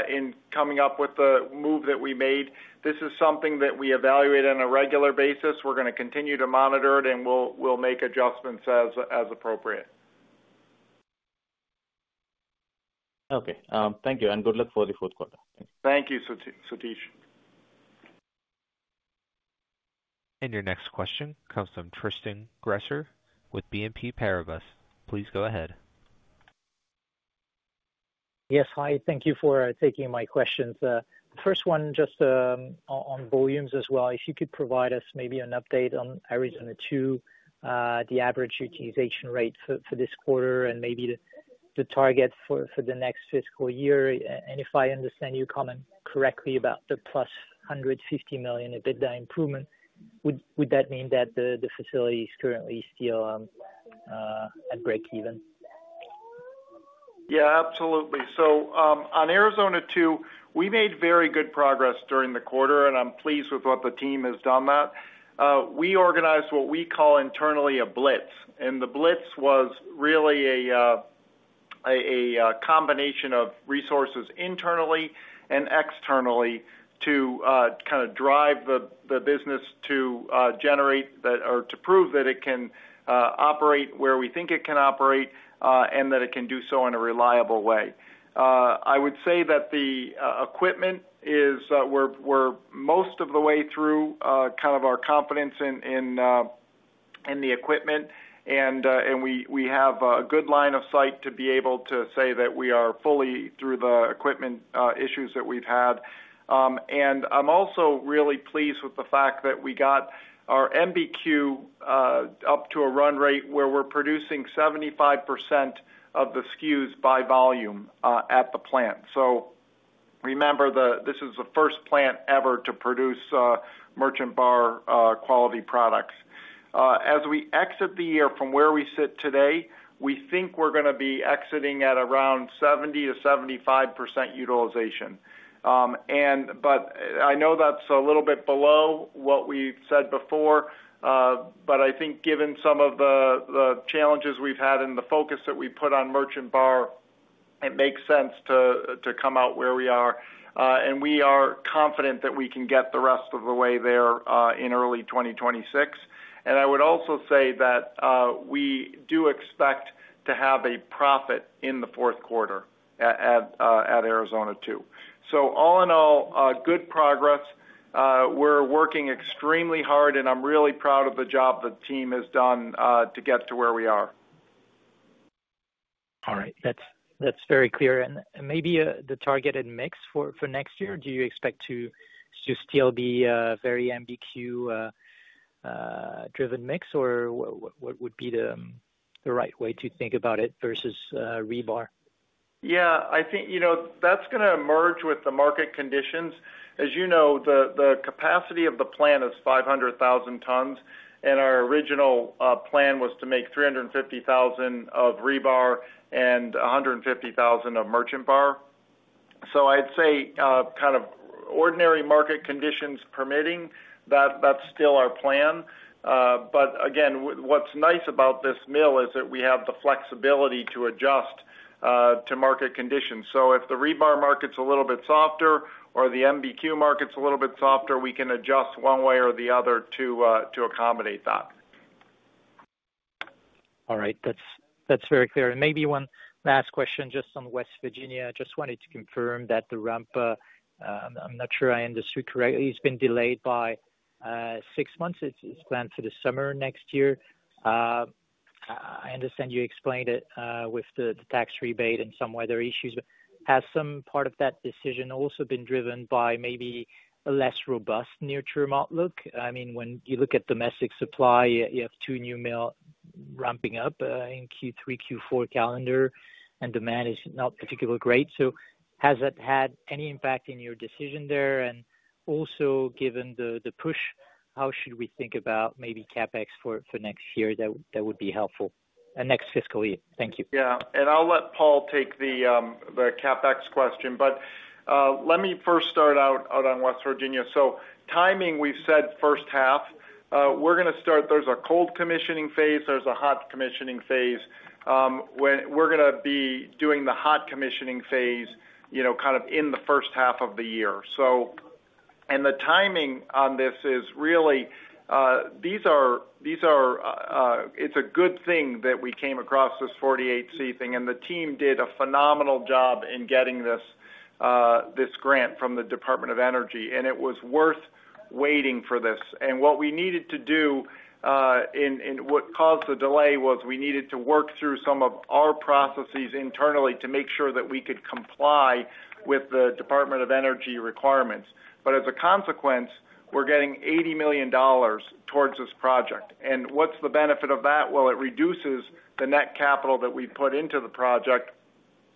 in coming up with the move that we made. This is something that we evaluate on a regular basis. We're going to continue to monitor it, and we'll make adjustments as appropriate. Okay. Thank you. Good luck for the fourth quarter. Thank you, Satish. Your next question comes from Tristan Gresser with BNP Paribas. Please go ahead. Yes, hi. Thank you for taking my questions. The first one just on volumes as well. If you could provide us maybe an update on Arizona 2, the average utilization rate for this quarter, and maybe the target for the next fiscal year. If I understand your comment correctly about the plus $150 million EBITDA improvement, would that mean that the facility is currently still at break-even? Yeah, absolutely. On Arizona II, we made very good progress during the quarter, and I'm pleased with what the team has done. We organized what we call internally a blitz. The blitz was really a combination of resources internally and externally to kind of drive the business to generate or to prove that it can operate where we think it can operate and that it can do so in a reliable way. I would say that the equipment is, we're most of the way through kind of our confidence in the equipment, and we have a good line of sight to be able to say that we are fully through the equipment issues that we've had. I'm also really pleased with the fact that we got our MBQ up to a run rate where we're producing 75% of the SKUs by volume at the plant. Remember, this is the first plant ever to produce Merchant Bar Quality products. As we exit the year from where we sit today, we think we're going to be exiting at around 70-75% utilization. I know that's a little bit below what we said before, but I think given some of the challenges we've had and the focus that we put on the merchant-bar market, it makes sense to come out where we are. We are confident that we can get the rest of the way there in early 2026. I would also say that we do expect to have a profit in the fourth quarter at Arizona 2. All in all, good progress. We're working extremely hard, and I'm really proud of the job the team has done to get to where we are. All right. That's very clear. Maybe the targeted mix for next year, do you expect to still be a very MBQ-driven mix, or what would be the right way to think about it versus rebar? Yeah, I think that's going to merge with the market conditions. As you know, the capacity of the plant is 500,000 tons, and our original plan was to make 350,000 of rebar and 150,000 of merchant bar. I'd say kind of ordinary market conditions permitting that that's still our plan. Again, what's nice about this mill is that we have the flexibility to adjust to market conditions. If the rebar market's a little bit softer or the MBQ market's a little bit softer, we can adjust one way or the other to accommodate that. All right. That's very clear. Maybe one last question just on West Virginia. I just wanted to confirm that the ramp, I'm not sure I understood correctly, has been delayed by six months. It's planned for the summer next year. I understand you explained it with the tax rebate and some weather issues. Has some part of that decision also been driven by maybe a less robust near-term outlook? I mean, when you look at domestic supply, you have two new mills ramping up in Q3, Q4 calendar, and demand is not particularly great. Has that had any impact in your decision there? Also, given the push, how should we think about maybe CapEx for next year that would be helpful next fiscal year? Thank you. Yeah. I'll let Paul take the CapEx question. Let me first start out on West Virginia. Timing, we've said first half. We're going to start, there's a cold commissioning phase, there's a hot commissioning phase. We're going to be doing the hot commissioning phase kind of in the first half of the year. The timing on this is really, it's a good thing that we came across this 48C thing. The team did a phenomenal job in getting this grant from the Department of Energy, and it was worth waiting for this. What we needed to do, what caused the delay was we needed to work through some of our processes internally to make sure that we could comply with the Department of Energy requirements. As a consequence, we're getting $80 million towards this project. What's the benefit of that? It reduces the net capital that we put into the project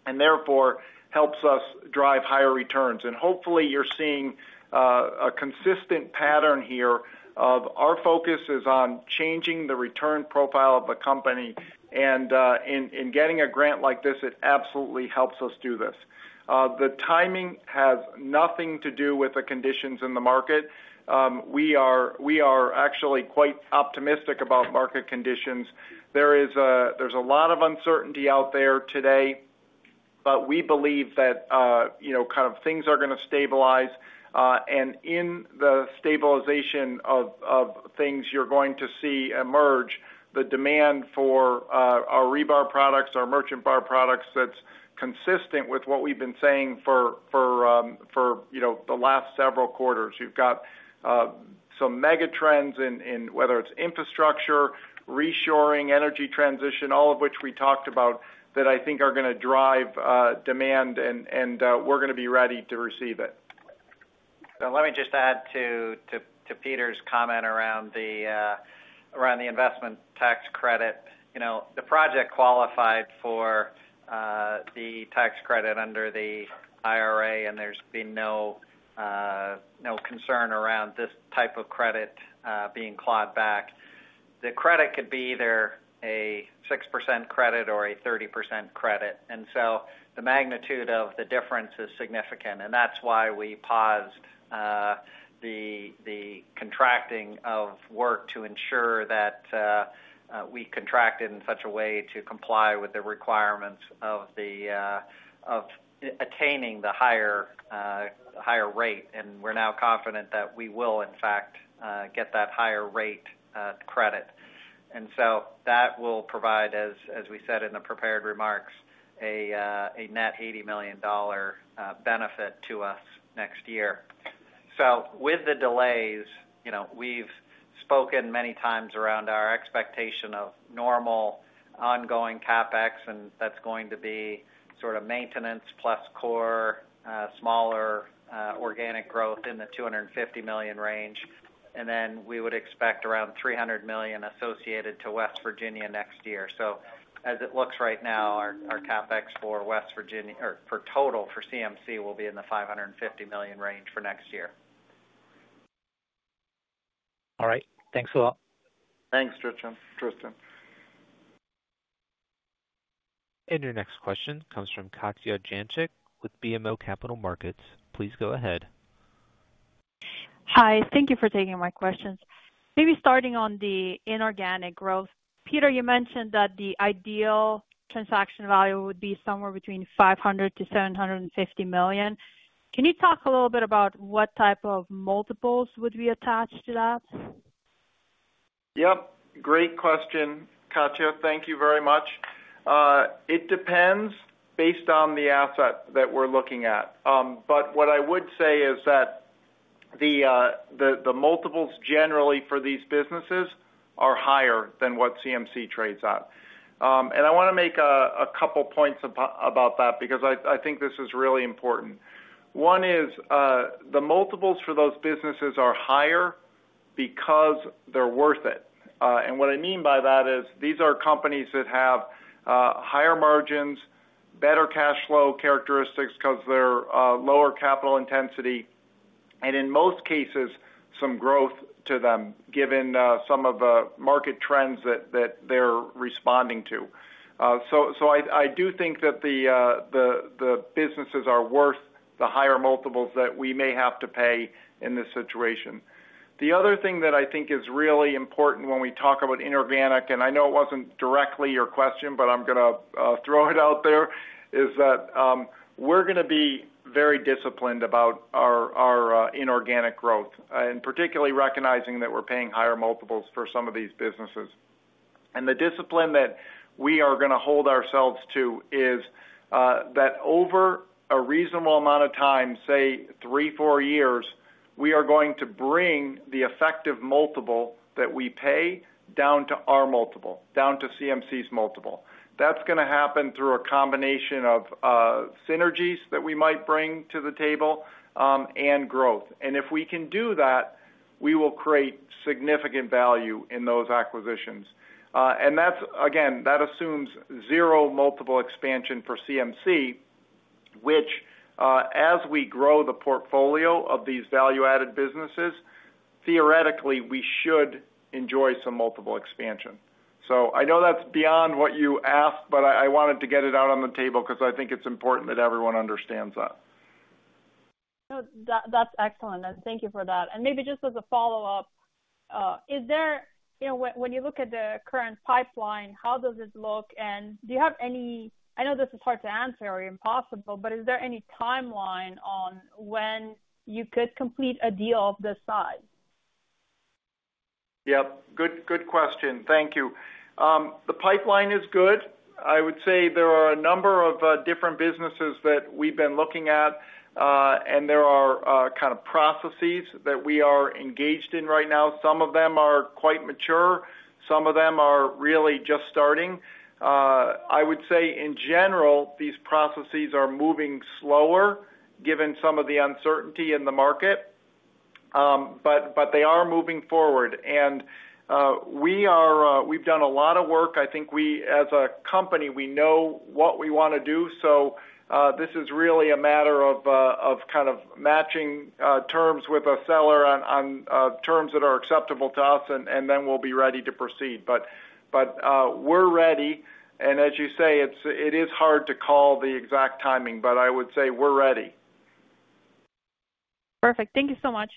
and therefore helps us drive higher returns. Hopefully, you're seeing a consistent pattern here of our focus is on changing the return profile of the company. In getting a grant like this, it absolutely helps us do this. The timing has nothing to do with the conditions in the market. We are actually quite optimistic about market conditions. There's a lot of uncertainty out there today, but we believe that kind of things are going to stabilize. In the stabilization of things, you're going to see emerge the demand for our rebar products, our merchant-bar products that's consistent with what we've been saying for the last several quarters. You've got some mega trends in whether it's infrastructure, reshoring, energy transition, all of which we talked about that I think are going to drive demand, and we're going to be ready to receive it. Let me just add to Peter's comment around the investment tax credit. The project qualified for the tax credit under the IRA, and there's been no concern around this type of credit being clawed back. The credit could be either a 6% credit or a 30% credit. The magnitude of the difference is significant. That's why we paused the contracting of work to ensure that we contracted in such a way to comply with the requirements of attaining the higher rate. We're now confident that we will, in fact, get that higher rate credit. That will provide, as we said in the prepared remarks, a net $80 million benefit to us next year. With the delays, we've spoken many times around our expectation of normal ongoing CapEx, and that's going to be sort of maintenance plus core, smaller organic growth in the $250 million range. We would expect around $300 million associated to West Virginia next year. As it looks right now, our CapEx for West Virginia or for total for CMC will be in the $550 million range for next year. All right. Thanks a lot. Thanks, Tristan. Tristan. Your next question comes from Katja Jancic with BMO Capital Markets. Please go ahead. Hi. Thank you for taking my questions. Maybe starting on the inorganic growth, Peter, you mentioned that the ideal transaction value would be somewhere between $500 million-$750 million. Can you talk a little bit about what type of multiples would be attached to that? Yep. Great question, Katya. Thank you very much. It depends based on the asset that we're looking at. What I would say is that the multiples generally for these businesses are higher than what CMC trades at. I want to make a couple of points about that because I think this is really important. One is the multiples for those businesses are higher because they're worth it. What I mean by that is these are companies that have higher margins, better cash flow characteristics because they're lower capital intensity, and in most cases, some growth to them given some of the market trends that they're responding to. I do think that the businesses are worth the higher multiples that we may have to pay in this situation. The other thing that I think is really important when we talk about inorganic, and I know it was not directly your question, but I am going to throw it out there, is that we are going to be very disciplined about our inorganic growth, and particularly recognizing that we are paying higher multiples for some of these businesses. The discipline that we are going to hold ourselves to is that over a reasonable amount of time, say three, four years, we are going to bring the effective multiple that we pay down to our multiple, down to CMC's multiple. That is going to happen through a combination of synergies that we might bring to the table and growth. If we can do that, we will create significant value in those acquisitions. That assumes zero multiple expansion for CMC, which as we grow the portfolio of these value-added businesses, theoretically, we should enjoy some multiple expansion. I know that's beyond what you asked, but I wanted to get it out on the table because I think it's important that everyone understands that. No, that's excellent. Thank you for that. Maybe just as a follow-up, when you look at the current pipeline, how does it look? Do you have any—I know this is hard to answer or impossible, but is there any timeline on when you could complete a deal of this size? Yep. Good question. Thank you. The pipeline is good. I would say there are a number of different businesses that we've been looking at, and there are kind of processes that we are engaged in right now. Some of them are quite mature. Some of them are really just starting. I would say, in general, these processes are moving slower given some of the uncertainty in the market, but they are moving forward. We've done a lot of work. I think we, as a company, we know what we want to do. This is really a matter of kind of matching terms with a seller on terms that are acceptable to us, and then we'll be ready to proceed. We're ready. As you say, it is hard to call the exact timing, but I would say we're ready. Perfect. Thank you so much.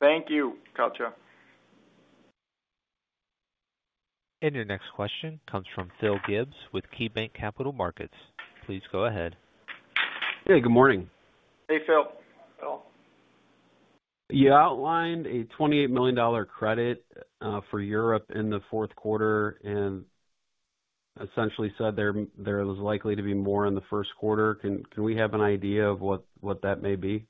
Thank you, Katja. Your next question comes from Phil Gibbs with KeyBanc Capital Markets. Please go ahead. Hey, good morning. Hey, Phil. Phil. You outlined a $28 million credit for Europe in the fourth quarter and essentially said there was likely to be more in the first quarter. Can we have an idea of what that may be?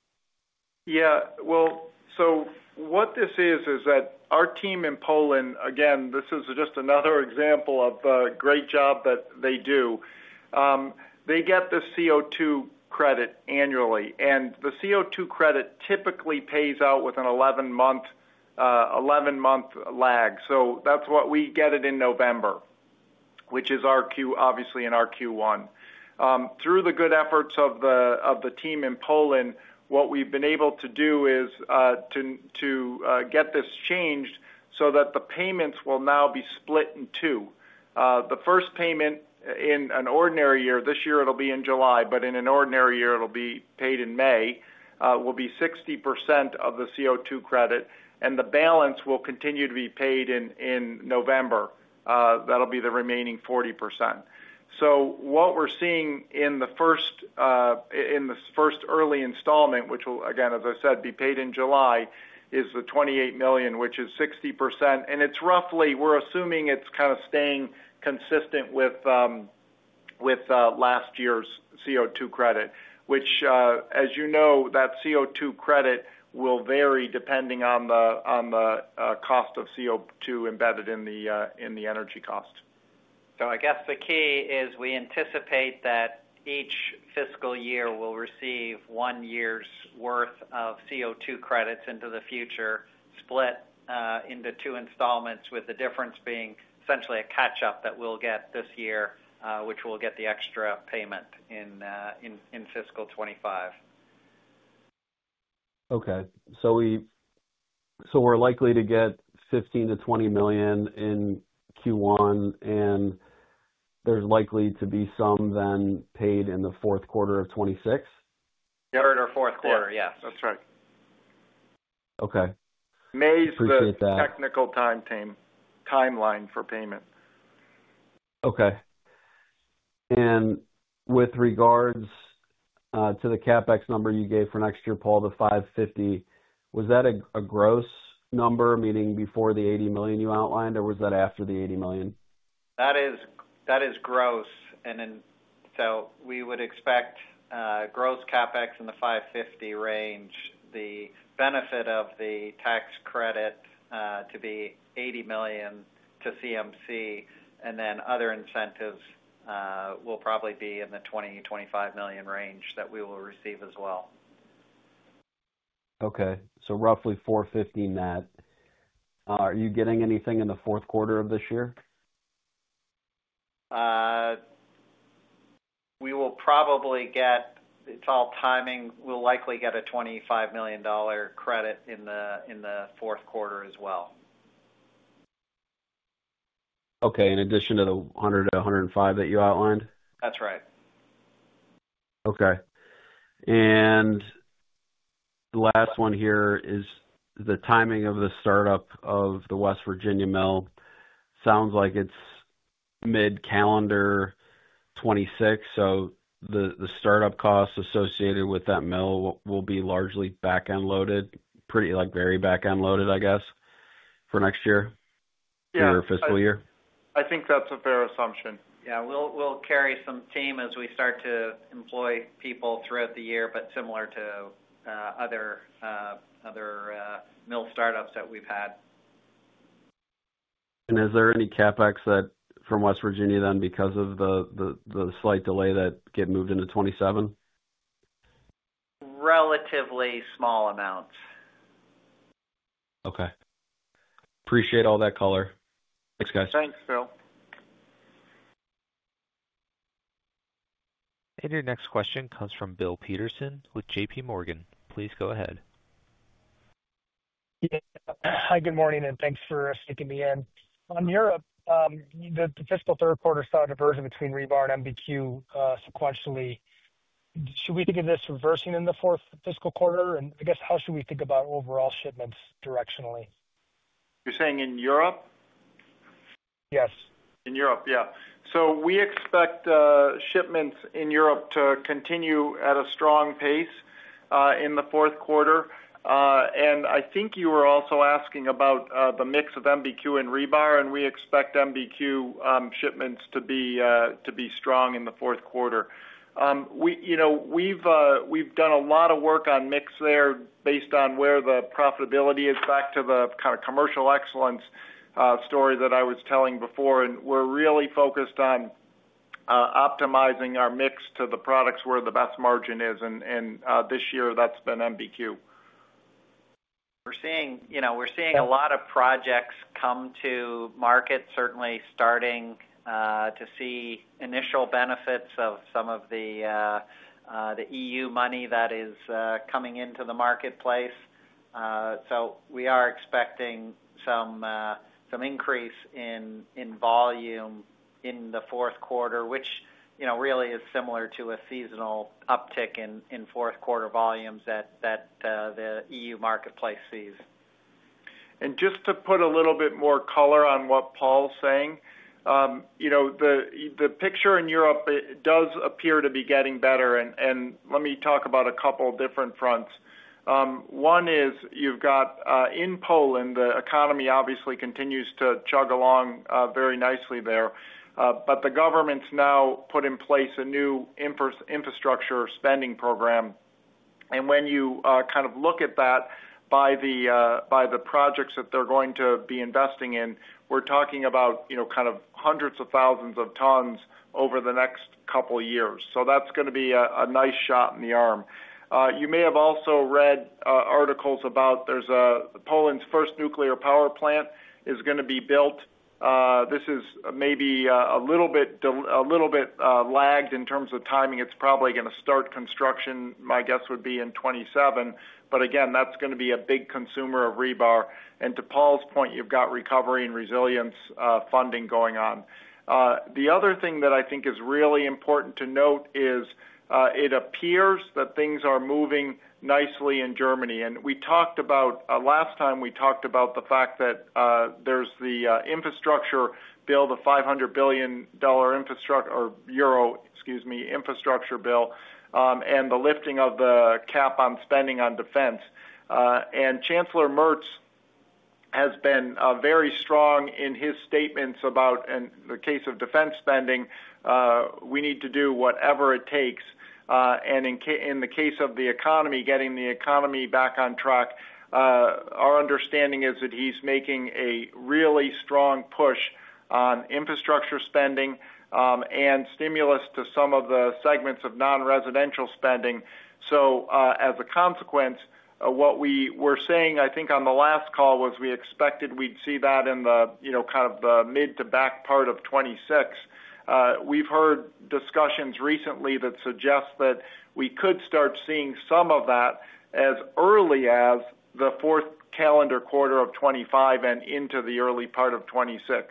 Yeah. What this is, is that our team in Poland, again, this is just another example of the great job that they do. They get the CO2 credit annually. The CO2 credit typically pays out with an 11-month lag. That is why we get it in November, which is obviously in our Q1. Through the good efforts of the team in Poland, what we have been able to do is to get this changed so that the payments will now be split in two. The first payment in an ordinary year, this year it will be in July, but in an ordinary year, it will be paid in May, will be 60% of the CO2 credit. The balance will continue to be paid in November. That will be the remaining 40%. What we are seeing in the first early installment, which will, again, as I said, be paid in July, is the $28 million, which is 60%. We are assuming it is kind of staying consistent with last year's CO2 credit, which, as you know, that CO2 credit will vary depending on the cost of CO2 embedded in the energy cost. I guess the key is we anticipate that each fiscal year we'll receive one year's worth of CO2 credits into the future, split into two installments, with the difference being essentially a catch-up that we'll get this year, which we'll get the extra payment in fiscal 2025. Okay. So we're likely to get $15 million-$20 million in Q1, and there's likely to be some then paid in the fourth quarter of 2026? Third or fourth quarter, yes. That's right. Okay. May's the technical timeline for payment. Okay. With regards to the CapEx number you gave for next year, Paul, the $550, was that a gross number, meaning before the $80 million you outlined, or was that after the $80 million? That is gross. We would expect gross CapEx in the $550 million range, the benefit of the tax credit to be $80 million to CMC, and then other incentives will probably be in the $20 million-$25 million range that we will receive as well. Okay. So roughly $450 net. Are you getting anything in the fourth quarter of this year? We will probably get—it's all timing—we'll likely get a $25 million credit in the fourth quarter as well. Okay. In addition to the $100-$105 that you outlined? That's right. Okay. The last one here is the timing of the startup of the West Virginia mill. Sounds like it is mid-calendar 2026, so the startup cost associated with that mill will be largely back-end loaded, very back-end loaded, I guess, for next year or fiscal year? Yeah. I think that's a fair assumption. Yeah. We'll carry some team as we start to employ people throughout the year, but similar to other mill startups that we've had. Is there any CapEx from West Virginia then because of the slight delay that get moved into 2027? Relatively small amounts. Okay. Appreciate all that color. Thanks, guys. Thanks, Phil. Your next question comes from Bill Peterson with JPMorgan. Please go ahead. Hi, good morning, and thanks for sneaking me in. On Europe, the fiscal third quarter saw a diversion between rebar and MBQ sequentially. Should we think of this reversing in the fourth fiscal quarter? I guess, how should we think about overall shipments directionally? You're saying in Europe? Yes. In Europe, yeah. We expect shipments in Europe to continue at a strong pace in the fourth quarter. I think you were also asking about the mix of MBQ and rebar, and we expect MBQ shipments to be strong in the fourth quarter. We've done a lot of work on mix there based on where the profitability is, back to the kind of commercial excellence story that I was telling before. We're really focused on optimizing our mix to the products where the best margin is. This year, that's been MBQ. We're seeing a lot of projects come to market, certainly starting to see initial benefits of some of the EU money that is coming into the marketplace. We are expecting some increase in volume in the fourth quarter, which really is similar to a seasonal uptick in fourth quarter volumes that the EU marketplace sees. Just to put a little bit more color on what Paul's saying, the picture in Europe does appear to be getting better. Let me talk about a couple of different fronts. One is, in Poland, the economy obviously continues to chug along very nicely there, but the government's now put in place a new infrastructure spending program. When you kind of look at that by the projects that they are going to be investing in, we are talking about hundreds of thousands of tons over the next couple of years. That is going to be a nice shot in the arm. You may have also read articles about Poland's first nuclear power plant is going to be built. This is maybe a little bit lagged in terms of timing. It is probably going to start construction, my guess would be in 2027. Again, that's going to be a big consumer of rebar. To Paul's point, you've got recovery and resilience funding going on. The other thing that I think is really important to note is it appears that things are moving nicely in Germany. Last time, we talked about the fact that there's the infrastructure bill, the EUR 500 billion, excuse me, infrastructure bill, and the lifting of the cap on spending on defense. Chancellor Merz has been very strong in his statements about the case of defense spending. We need to do whatever it takes. In the case of the economy, getting the economy back on track, our understanding is that he's making a really strong push on infrastructure spending and stimulus to some of the segments of non-residential spending. As a consequence, what we were saying, I think on the last call, was we expected we'd see that in kind of the mid to back part of 2026. We've heard discussions recently that suggest that we could start seeing some of that as early as the fourth calendar quarter of 2025 and into the early part of 2026.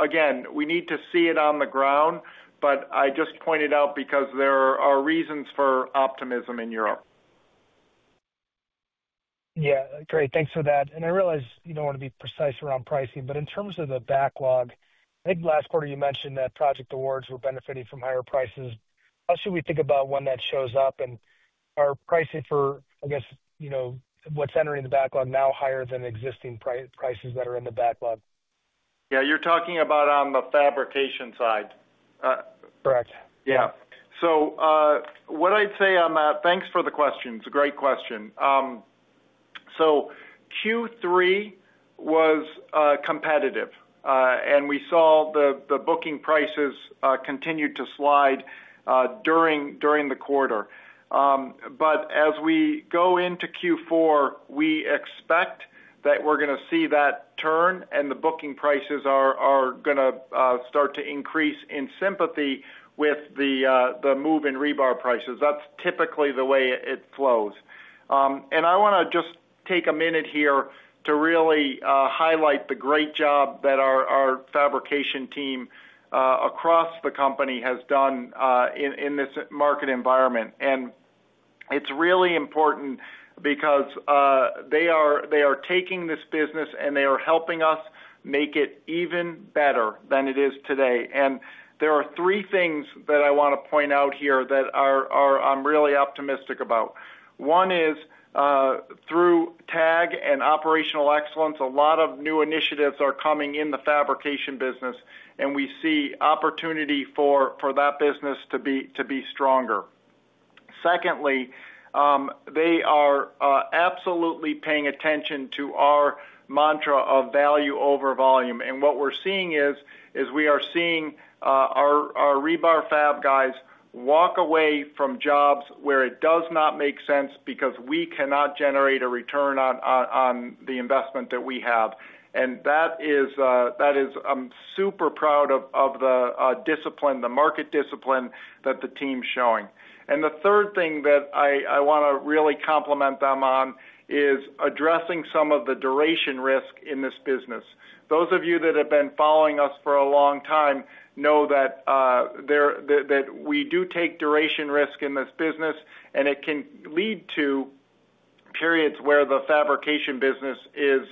Again, we need to see it on the ground, but I just pointed it out because there are reasons for optimism in Europe. Yeah. Great. Thanks for that. I realize you don't want to be precise around pricing, but in terms of the backlog, I think last quarter you mentioned that project awards were benefiting from higher prices. How should we think about when that shows up? Are prices for, I guess, what's entering the backlog now higher than existing prices that are in the backlog? Yeah. You're talking about on the fabrication side. Correct. Yeah. What I'd say on that, thanks for the question. It's a great question. Q3 was competitive, and we saw the booking prices continue to slide during the quarter. As we go into Q4, we expect that we're going to see that turn, and the booking prices are going to start to increase in sympathy with the move in rebar prices. That's typically the way it flows. I want to just take a minute here to really highlight the great job that our fabrication team across the company has done in this market environment. It's really important because they are taking this business, and they are helping us make it even better than it is today. There are three things that I want to point out here that I'm really optimistic about. One is through TAG and operational excellence, a lot of new initiatives are coming in the fabrication business, and we see opportunity for that business to be stronger. Secondly, they are absolutely paying attention to our mantra of value over volume. What we're seeing is we are seeing our rebar fab guys walk away from jobs where it does not make sense because we cannot generate a return on the investment that we have. I am super proud of the discipline, the market discipline that the team's showing. The third thing that I want to really compliment them on is addressing some of the duration risk in this business. Those of you that have been following us for a long time know that we do take duration risk in this business, and it can lead to periods where the fabrication business is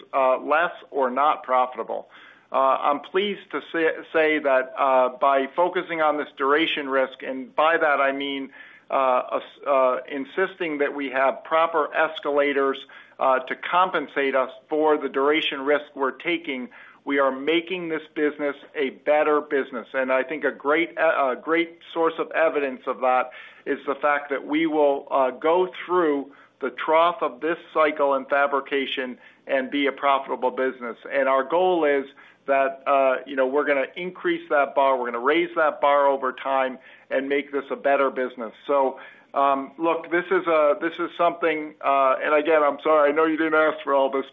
less or not profitable. I'm pleased to say that by focusing on this duration risk, and by that, I mean insisting that we have proper escalators to compensate us for the duration risk we're taking, we are making this business a better business. I think a great source of evidence of that is the fact that we will go through the trough of this cycle in fabrication and be a profitable business. Our goal is that we're going to increase that bar. We're going to raise that bar over time and make this a better business. Look, this is something—and again, I'm sorry, I know you didn't ask for all this,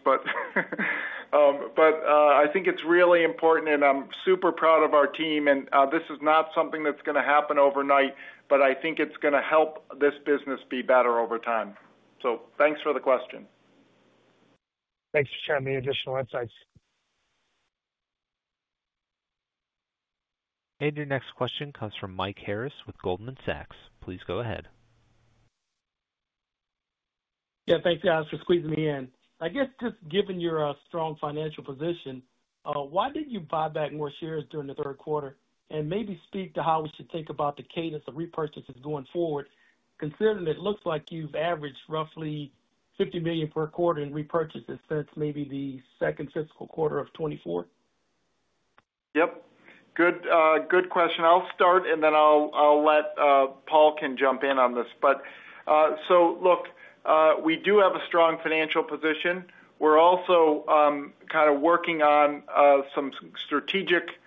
but I think it's really important, and I'm super proud of our team. This is not something that's going to happen overnight, but I think it's going to help this business be better over time. Thanks for the question. Thanks for sharing the additional insights. Your next question comes from Mike Harris with Goldman Sachs. Please go ahead. Yeah. Thanks, guys, for squeezing me in. I guess just given your strong financial position, why did you buy back more shares during the third quarter? Maybe speak to how we should think about the cadence of repurchases going forward, considering it looks like you've averaged roughly $50 million per quarter in repurchases since maybe the second fiscal quarter of 2024? Yep. Good question. I'll start, and then I'll let Paul jump in on this. Look, we do have a strong financial position. We're also kind of working on some strategic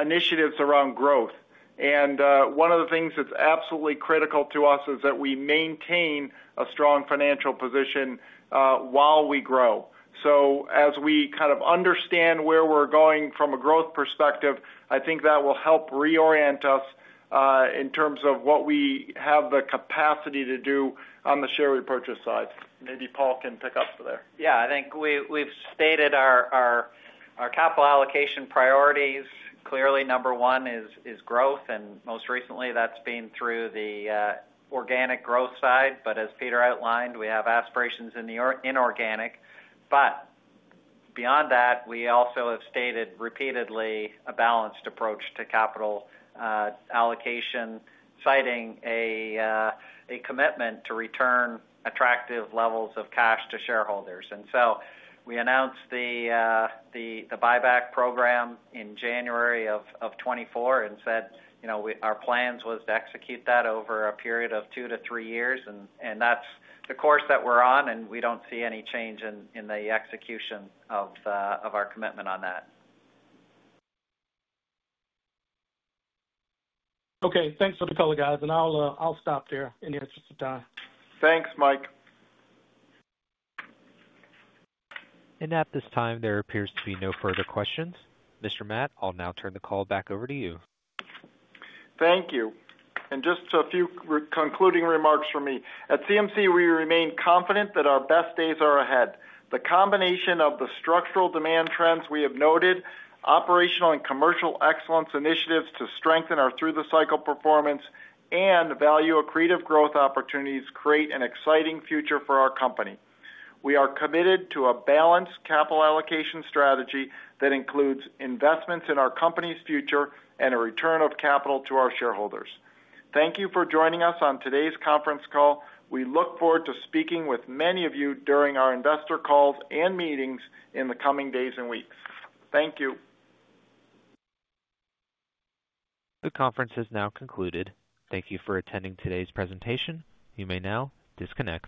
initiatives around growth. One of the things that's absolutely critical to us is that we maintain a strong financial position while we grow. As we kind of understand where we're going from a growth perspective, I think that will help reorient us in terms of what we have the capacity to do on the share repurchase side. Maybe Paul can pick up from there. Yeah. I think we've stated our capital allocation priorities. Clearly, number one is growth, and most recently, that's been through the organic growth side. As Peter outlined, we have aspirations in the inorganic. Beyond that, we also have stated repeatedly a balanced approach to capital allocation, citing a commitment to return attractive levels of cash to shareholders. We announced the buyback program in January of 2024 and said our plans were to execute that over a period of two to three years. That's the course that we're on, and we don't see any change in the execution of our commitment on that. Okay. Thanks for the color, guys. I'll stop there in the interest of time. Thanks, Mike. At this time, there appears to be no further questions. Mr. Matt, I'll now turn the call back over to you. Thank you. Just a few concluding remarks from me. At CMC, we remain confident that our best days are ahead. The combination of the structural demand trends we have noted, operational and commercial excellence initiatives to strengthen our through-the-cycle performance, and value accretive growth opportunities create an exciting future for our company. We are committed to a balanced capital allocation strategy that includes investments in our company's future and a return of capital to our shareholders. Thank you for joining us on today's conference call. We look forward to speaking with many of you during our investor calls and meetings in the coming days and weeks. Thank you. The conference has now concluded. Thank you for attending today's presentation. You may now disconnect.